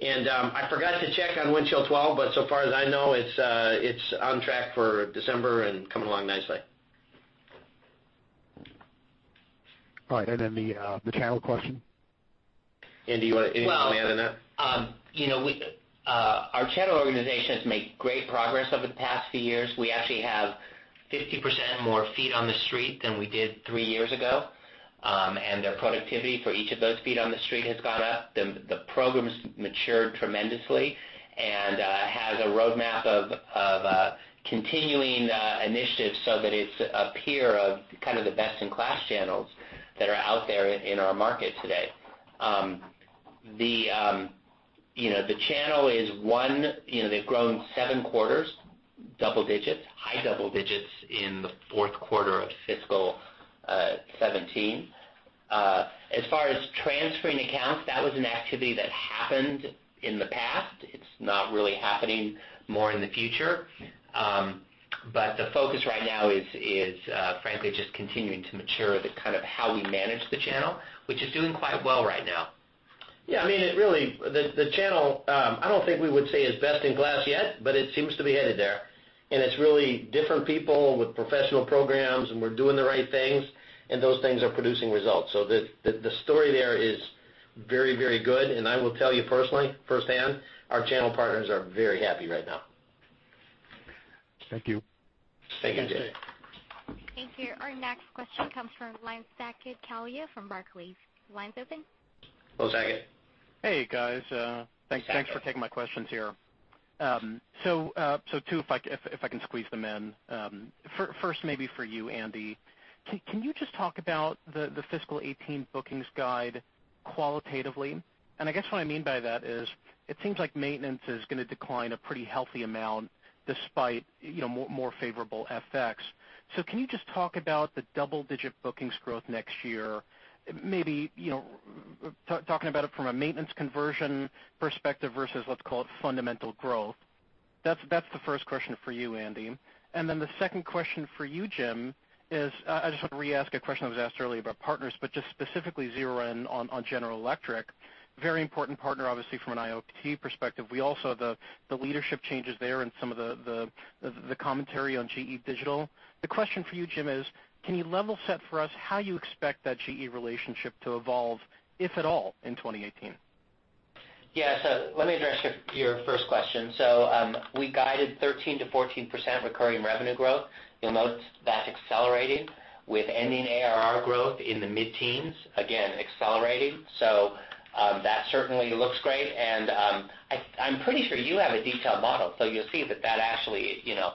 [SPEAKER 3] I forgot to check on Windchill 12, but so far as I know, it's on track for December and coming along nicely.
[SPEAKER 8] All right. The channel question.
[SPEAKER 3] Andy, you want to add on that?
[SPEAKER 4] Our channel organization has made great progress over the past few years. We actually have 50% more feet on the street than we did three years ago, and their productivity for each of those feet on the street has gone up. The program's matured tremendously and has a roadmap of continuing initiatives so that it's a peer of kind of the best-in-class channels that are out there in our market today. The channel is one. They've grown seven quarters, double digits, high double digits in the fourth quarter of fiscal 2017. As far as transferring accounts, that was an activity that happened in the past. It's not really happening more in the future. The focus right now is frankly just continuing to mature the kind of how we manage the channel, which is doing quite well right now.
[SPEAKER 3] Yeah, the channel, I don't think we would say is best-in-class yet, but it seems to be headed there, and it's really different people with professional programs, and we're doing the right things, and those things are producing results. The story there is very good, and I will tell you personally, firsthand, our channel partners are very happy right now.
[SPEAKER 8] Thank you.
[SPEAKER 3] Thank you.
[SPEAKER 4] Thank you, Jim.
[SPEAKER 1] Thank you. Our next question comes from line, Saket Kalia from Barclays. Line's open.
[SPEAKER 4] Hello, Saket.
[SPEAKER 9] Hey, guys.
[SPEAKER 4] Hi, Saket.
[SPEAKER 9] Thanks for taking my questions here. Two, if I can squeeze them in. First, maybe for you, Andy. Can you just talk about the fiscal 2018 bookings guide qualitatively? I guess what I mean by that is, it seems like maintenance is going to decline a pretty healthy amount despite more favorable FX. Can you just talk about the double-digit bookings growth next year? Maybe talking about it from a maintenance conversion perspective versus let's call it fundamental growth. That's the first question for you, Andy. The second question for you, Jim, is, I just want to re-ask a question that was asked earlier about partners, but just specifically zero in on General Electric. Very important partner, obviously from an IoT perspective. We also have the leadership changes there and some of the commentary on GE Digital. The question for you, Jim, is can you level set for us how you expect that GE relationship to evolve, if at all, in 2018?
[SPEAKER 4] Yeah. Let me address your first question. We guided 13%-14% recurring revenue growth. You'll note that's accelerating with ending ARR growth in the mid-teens, again, accelerating. That certainly looks great, I'm pretty sure you have a detailed model, you'll see that that actually plays out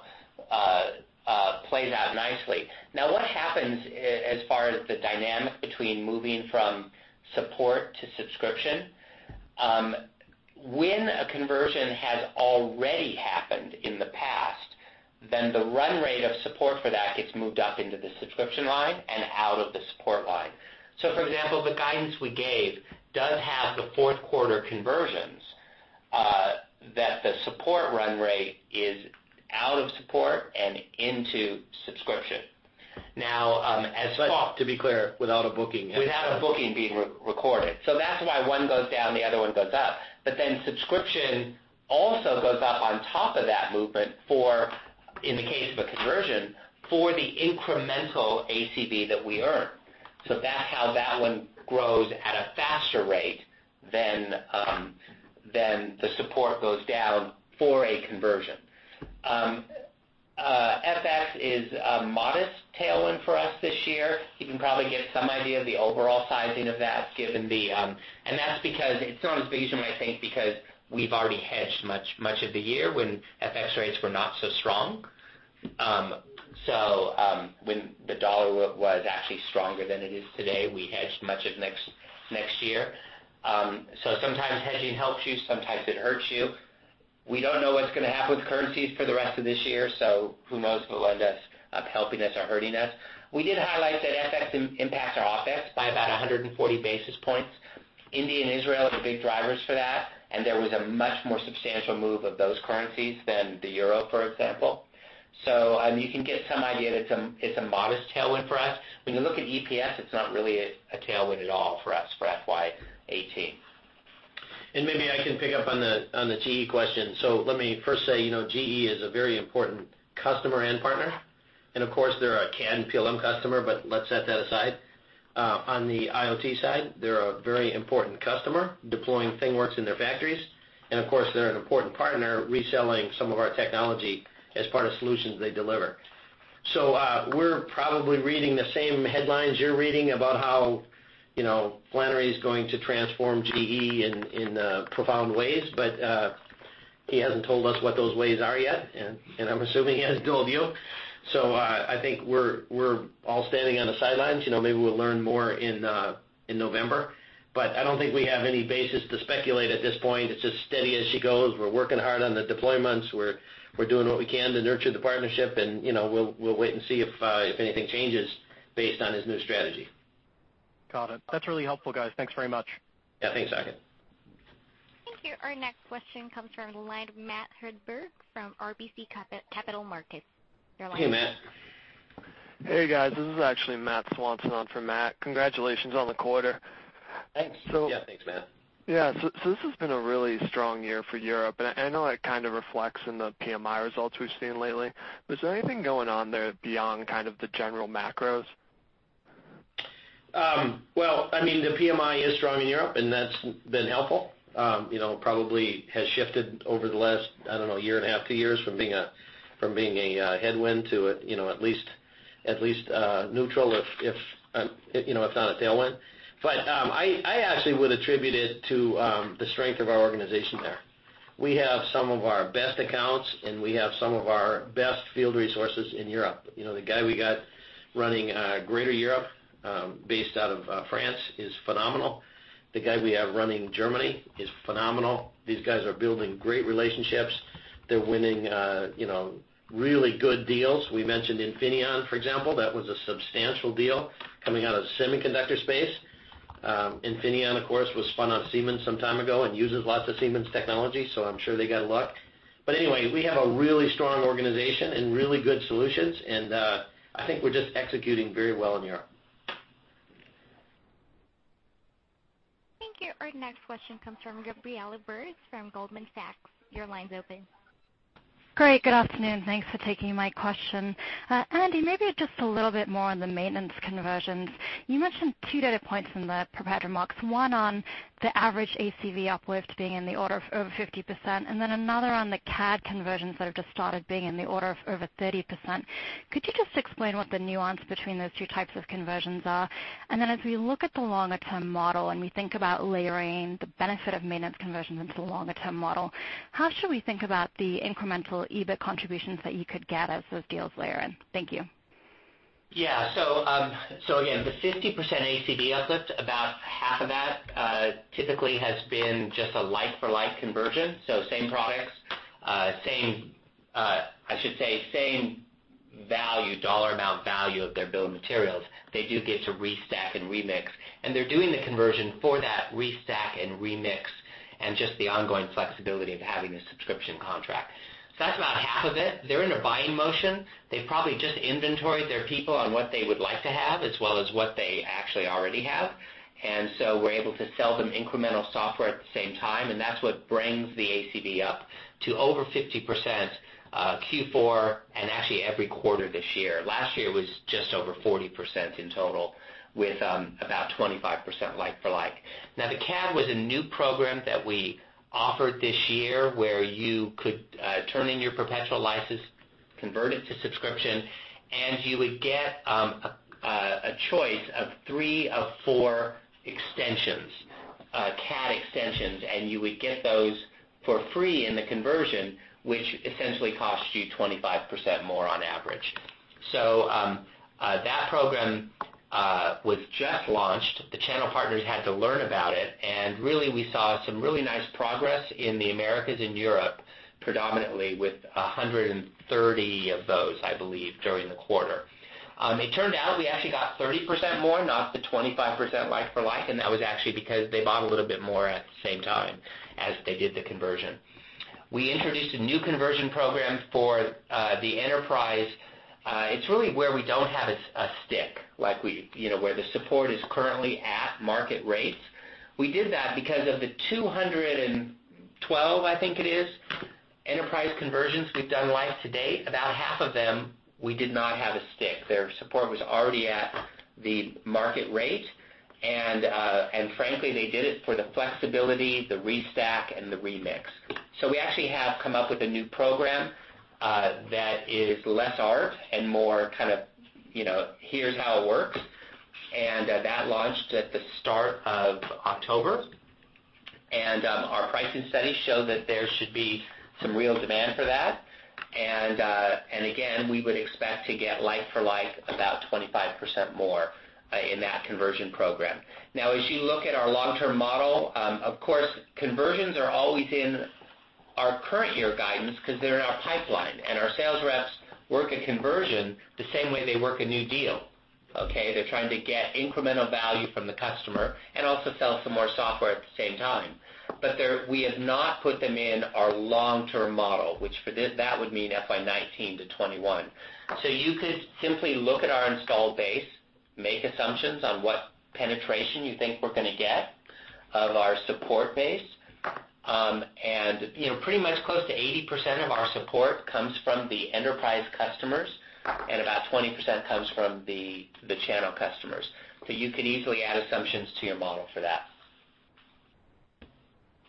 [SPEAKER 4] nicely. What happens as far as the dynamic between moving from support to subscription? When a conversion has already happened in the past, the run rate of support for that gets moved up into the subscription line and out of the support line. For example, the guidance we gave does have the fourth quarter conversions, that the support run rate is out of support and into subscription.
[SPEAKER 3] Off, to be clear, without a booking.
[SPEAKER 4] Without a booking being recorded. That's why one goes down, the other one goes up. Subscription also goes up on top of that movement for, in the case of a conversion, for the incremental ACV that we earn. That's how that one grows at a faster rate than the support goes down for a conversion. FX is a modest tailwind for us this year. You can probably get some idea of the overall sizing of that given that's because it's not as big as you might think because we've already hedged much of the year when FX rates were not so strong. When the dollar was actually stronger than it is today, we hedged much of next year. Sometimes hedging helps you, sometimes it hurts you. We don't know what's going to happen with currencies for the rest of this year. Who knows what will end up helping us or hurting us. We did highlight that FX impacts our OpEx by about 140 basis points. India and Israel are big drivers for that, and there was a much more substantial move of those currencies than the euro, for example. You can get some idea that it's a modest tailwind for us. When you look at EPS, it's not really a tailwind at all for us for FY 2018.
[SPEAKER 3] Maybe I can pick up on the GE question. Let me first say, GE is a very important customer and partner, and of course they're a CAD and PLM customer, but let's set that aside. On the IoT side, they're a very important customer, deploying ThingWorx in their factories. Of course, they're an important partner reselling some of our technology as part of solutions they deliver. We're probably reading the same headlines you're reading about how Flannery's going to transform GE in profound ways. He hasn't told us what those ways are yet, and I'm assuming he hasn't told you. I think we're all standing on the sidelines. Maybe we'll learn more in November. I don't think we have any basis to speculate at this point. It's as steady as she goes. We're working hard on the deployments. We're doing what we can to nurture the partnership, and we'll wait and see if anything changes based on his new strategy.
[SPEAKER 9] Got it. That's really helpful, guys. Thanks very much.
[SPEAKER 3] Yeah. Thanks, Saket.
[SPEAKER 1] Thank you. Our next question comes from the line of Matthew Hedberg from RBC Capital Markets. Your line is open.
[SPEAKER 4] Hey, Matt.
[SPEAKER 10] Hey, guys. This is actually Matthew Swanson on for Matt. Congratulations on the quarter.
[SPEAKER 4] Thanks.
[SPEAKER 3] Yeah. Thanks, Matt.
[SPEAKER 10] Yeah. This has been a really strong year for Europe, and I know it kind of reflects in the PMI results we've seen lately. Is there anything going on there beyond kind of the general macros?
[SPEAKER 3] The PMI is strong in Europe, and that's been helpful. Probably has shifted over the last, I don't know, year and a half, two years from being a headwind to at least neutral, if not a tailwind. I actually would attribute it to the strength of our organization there. We have some of our best accounts, and we have some of our best field resources in Europe. The guy we got running Greater Europe, based out of France, is phenomenal. The guy we have running Germany is phenomenal. These guys are building great relationships. They're winning really good deals. We mentioned Infineon, for example. That was a substantial deal coming out of the semiconductor space. Infineon, of course, was spun off Siemens some time ago and uses lots of Siemens technology, so I'm sure they got luck. Anyway, we have a really strong organization and really good solutions, and I think we're just executing very well in Europe.
[SPEAKER 1] Thank you. Our next question comes from Gabriela Borges from Goldman Sachs. Your line's open.
[SPEAKER 11] Great. Good afternoon. Thanks for taking my question. Andy, maybe just a little bit more on the maintenance conversions. You mentioned two data points in the prepared remarks, one on the average ACV uplift being in the order of over 50%, and then another on the CAD conversions that have just started being in the order of over 30%. Could you just explain what the nuance between those 2 types of conversions are? As we look at the longer-term model and we think about layering the benefit of maintenance conversions into the longer-term model, how should we think about the incremental EBIT contributions that you could get as those deals layer in? Thank you.
[SPEAKER 4] Yeah. Again, the 50% ACV uplift, about half of that typically has been just a like-for-like conversion, so same products, I should say, same dollar amount value of their bill of materials. They do get to restack and remix, and they're doing the conversion for that restack and remix and just the ongoing flexibility of having a subscription contract. That's about half of it. They're in a buying motion. They've probably just inventoried their people on what they would like to have as well as what they actually already have. We're able to sell them incremental software at the same time, and that's what brings the ACV up to over 50% Q4, and actually every quarter this year. Last year was just over 40% in total, with about 25% like for like. The CAD was a new program that we offered this year where you could turn in your perpetual license, convert it to subscription, and you would get a choice of three of four extensions, CAD extensions, and you would get those for free in the conversion, which essentially costs you 25% more on average. That program was just launched. The channel partners had to learn about it, and really we saw some really nice progress in the Americas and Europe, predominantly with 130 of those, I believe, during the quarter. It turned out we actually got 30% more, not the 25% like for like, and that was actually because they bought a little bit more at the same time as they did the conversion. We introduced a new conversion program for the enterprise. It's really where we don't have a stick, where the support is currently at market rates. We did that because of the 212, I think it is, enterprise conversions we've done life to date. About half of them, we did not have a stick. Their support was already at the market rate, and frankly, they did it for the flexibility, the restack, and the remix. We actually have come up with a new program that is less art and more kind of, here's how it works, and that launched at the start of October. Our pricing studies show that there should be some real demand for that. Again, we would expect to get like for like about 25% more in that conversion program. As you look at our long-term model, of course, conversions are always in our current year guidance because they're in our pipeline, and our sales reps work a conversion the same way they work a new deal. Okay? They're trying to get incremental value from the customer and also sell some more software at the same time. We have not put them in our long-term model, which for that would mean FY 2019 to 2021. You could simply look at our installed base, make assumptions on what penetration you think we're going to get of our support base. Pretty much close to 80% of our support comes from the enterprise customers and about 20% comes from the channel customers. You could easily add assumptions to your model for that.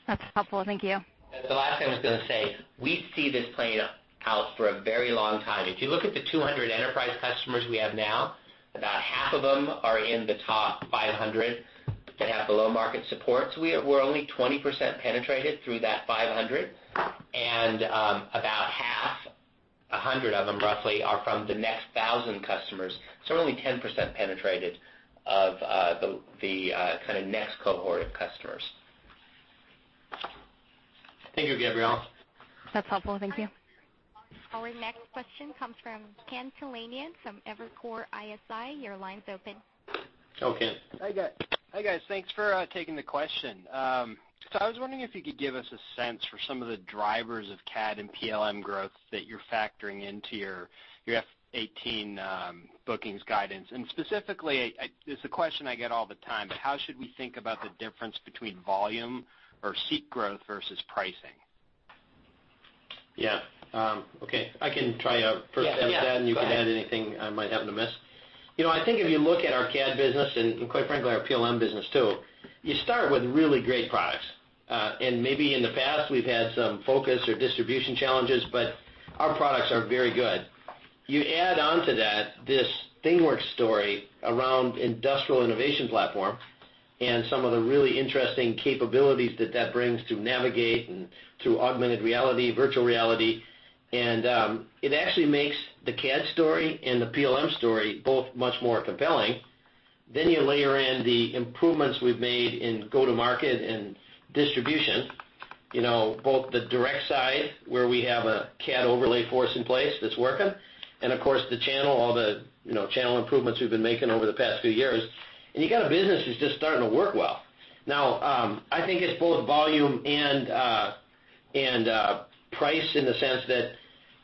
[SPEAKER 11] That's helpful. Thank you.
[SPEAKER 4] The last thing I was going to say, we see this playing out for a very long time. If you look at the 200 enterprise customers we have now, about half of them are in the top 500 that have below-market support. We're only 20% penetrated through that 500. About half, 100 of them roughly, are from the next 1,000 customers. We're only 10% penetrated of the kind of next cohort of customers.
[SPEAKER 3] Thank you, Gabriela.
[SPEAKER 11] That's helpful. Thank you.
[SPEAKER 1] Our next question comes from Ken Talanian from Evercore ISI. Your line's open.
[SPEAKER 3] Go, Ken.
[SPEAKER 12] Hi, guys. Thanks for taking the question. I was wondering if you could give us a sense for some of the drivers of CAD and PLM growth that you're factoring into your FY 2018 bookings guidance. Specifically, it's a question I get all the time, but how should we think about the difference between volume or seat growth versus pricing?
[SPEAKER 3] Yeah. Okay. I can try first pass at that.
[SPEAKER 4] Yeah.
[SPEAKER 3] You can add anything I might happen to miss. I think if you look at our CAD business, quite frankly, our PLM business too, you start with really great products. Maybe in the past, we've had some focus or distribution challenges, but our products are very good. You add on to that this ThingWorx story around industrial innovation platform and some of the really interesting capabilities that that brings to Navigate and through augmented reality, virtual reality, and it actually makes the CAD story and the PLM story both much more compelling. You layer in the improvements we've made in go-to-market and distribution, both the direct side, where we have a CAD overlay force in place that's working, and of course the channel, all the channel improvements we've been making over the past few years, and you got a business that's just starting to work well. I think it's both volume and price in the sense that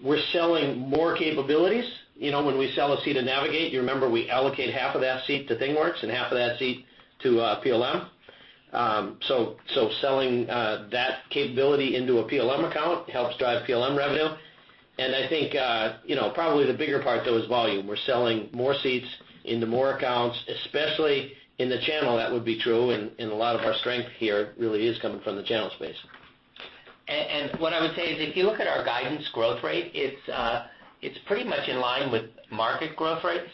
[SPEAKER 3] we're selling more capabilities. When we sell a seat of Navigate, you remember we allocate half of that seat to ThingWorx and half of that seat to PLM. Selling that capability into a PLM account helps drive PLM revenue. I think probably the bigger part, though, is volume. We're selling more seats into more accounts, especially in the channel, that would be true, and a lot of our strength here really is coming from the channel space.
[SPEAKER 4] What I would say is, if you look at our guidance growth rate, it's pretty much in line with market growth rates,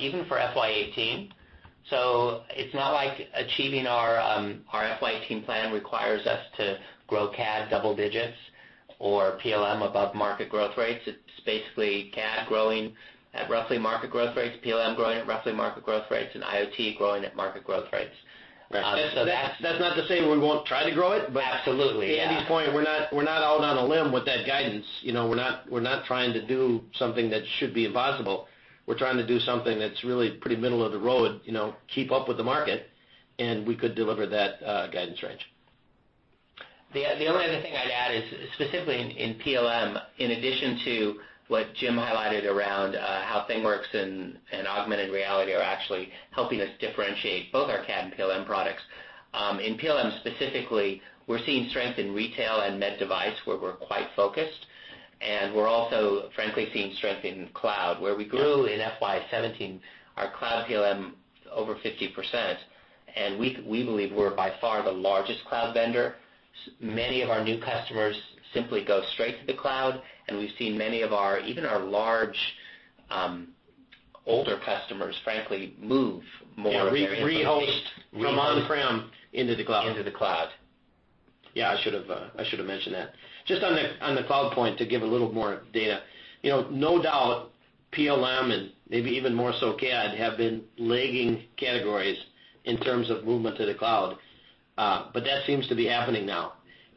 [SPEAKER 4] even for FY 2018. It's not like achieving our FY 2018 plan requires us to grow CAD double digits or PLM above market growth rates. It's basically CAD growing at roughly market growth rates, PLM growing at roughly market growth rates, and IoT growing at market growth rates.
[SPEAKER 3] Right. That's not to say we won't try to grow it.
[SPEAKER 4] Absolutely, yeah.
[SPEAKER 3] Andy's point, we're not out on a limb with that guidance. We're not trying to do something that should be impossible. We're trying to do something that's really pretty middle of the road, keep up with the market, and we could deliver that guidance range.
[SPEAKER 4] The only other thing I'd add is specifically in PLM, in addition to what Jim highlighted around how ThingWorx and augmented reality are actually helping us differentiate both our CAD and PLM products. In PLM specifically, we're seeing strength in retail and med device, where we're quite focused, and we're also frankly seeing strength in cloud, where we grew in FY 2017 our cloud PLM over 50%. We believe we're by far the largest cloud vendor. Many of our new customers simply go straight to the cloud, and we've seen many of our, even our large, older customers, frankly.
[SPEAKER 3] Yeah, rehost from on-prem into the cloud.
[SPEAKER 4] into the cloud.
[SPEAKER 3] Yeah, I should've mentioned that. Just on the cloud point, to give a little more data. No doubt PLM, and maybe even more so CAD, have been lagging categories in terms of movement to the cloud. That seems to be happening now.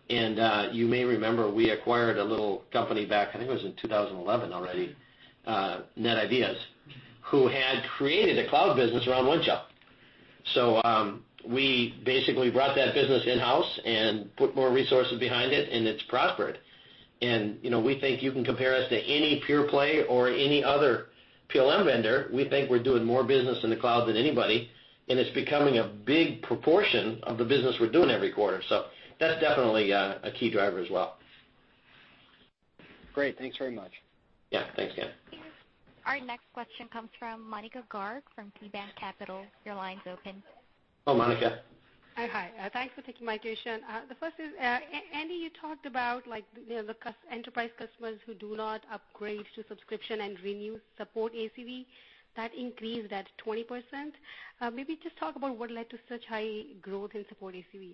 [SPEAKER 3] You may remember we acquired a little company back, I think it was in 2011 already, NetIDEAS, who had created a cloud business around Windchill. We basically brought that business in-house and put more resources behind it, and it's prospered. We think you can compare us to any pure play or any other PLM vendor. We think we're doing more business in the cloud than anybody, and it's becoming a big proportion of the business we're doing every quarter. That's definitely a key driver as well.
[SPEAKER 12] Great. Thanks very much.
[SPEAKER 3] Yeah. Thanks, Ken.
[SPEAKER 1] Our next question comes from Monika Garg from KeyBanc Capital. Your line's open.
[SPEAKER 3] Hello, Monika.
[SPEAKER 13] Hi. Thanks for taking my question. The first is, Andy, you talked about the enterprise customers who do not upgrade to subscription and renew support ACV. That increased at 20%. Maybe just talk about what led to such high growth in support ACV.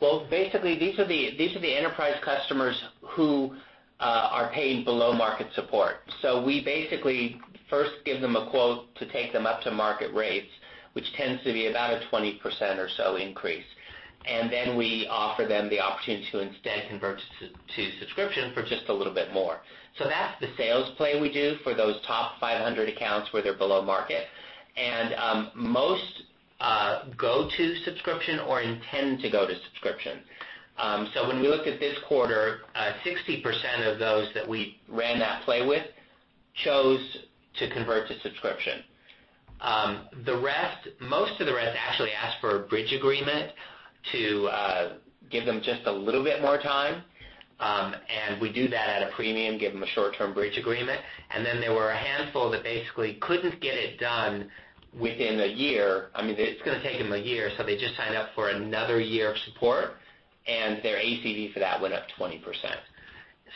[SPEAKER 4] Well, basically, these are the enterprise customers who are paying below-market support. We basically first give them a quote to take them up to market rates, which tends to be about a 20% or so increase. Then we offer them the opportunity to instead convert to subscription for just a little bit more. That's the sales play we do for those top 500 accounts where they're below market. Most go to subscription or intend to go to subscription. When we looked at this quarter, 60% of those that we ran that play with chose to convert to subscription. Most of the rest actually asked for a bridge agreement to give them just a little bit more time. We do that at a premium, give them a short-term bridge agreement. Then there were a handful that basically couldn't get it done within a year. I mean, it's going to take them a year, so they just signed up for another year of support, and their ACV for that went up 20%.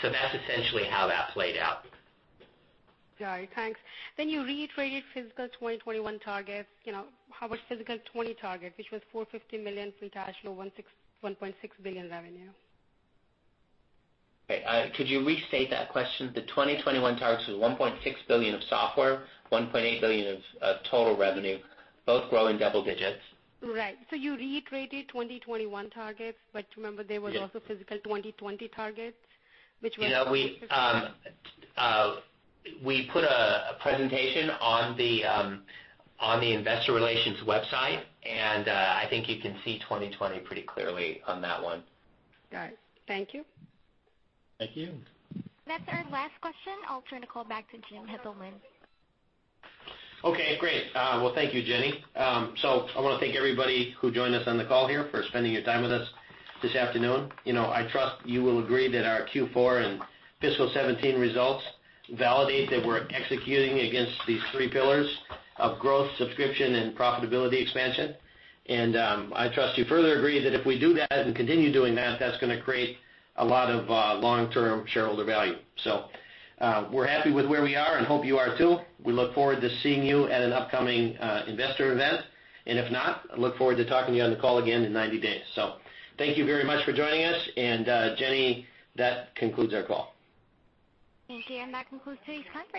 [SPEAKER 4] That's essentially how that played out.
[SPEAKER 13] Got it. Thanks. You reiterated fiscal 2021 targets. How about fiscal 2020 target, which was $450 million from cash flow, $1.6 billion revenue?
[SPEAKER 4] Okay. Could you restate that question? The 2021 targets was $1.6 billion of software, $1.8 billion of total revenue, both growing double digits.
[SPEAKER 13] Right. You reiterated 2021 targets, remember there was also fiscal 2020 targets, which was.
[SPEAKER 4] We put a presentation on the investor relations website. I think you can see 2020 pretty clearly on that one.
[SPEAKER 13] Got it. Thank you.
[SPEAKER 3] Thank you.
[SPEAKER 1] That's our last question. I'll turn the call back to James Heppelmann.
[SPEAKER 3] Okay, great. Well, thank you, Jenny. I want to thank everybody who joined us on the call here for spending your time with us this afternoon. I trust you will agree that our Q4 and fiscal 2017 results validate that we're executing against these three pillars of growth, subscription, and profitability expansion. I trust you further agree that if we do that and continue doing that's going to create a lot of long-term shareholder value. We're happy with where we are and hope you are too. We look forward to seeing you at an upcoming investor event. If not, I look forward to talking to you on the call again in 90 days. Thank you very much for joining us. Jenny, that concludes our call.
[SPEAKER 1] Thank you. That concludes today's conference.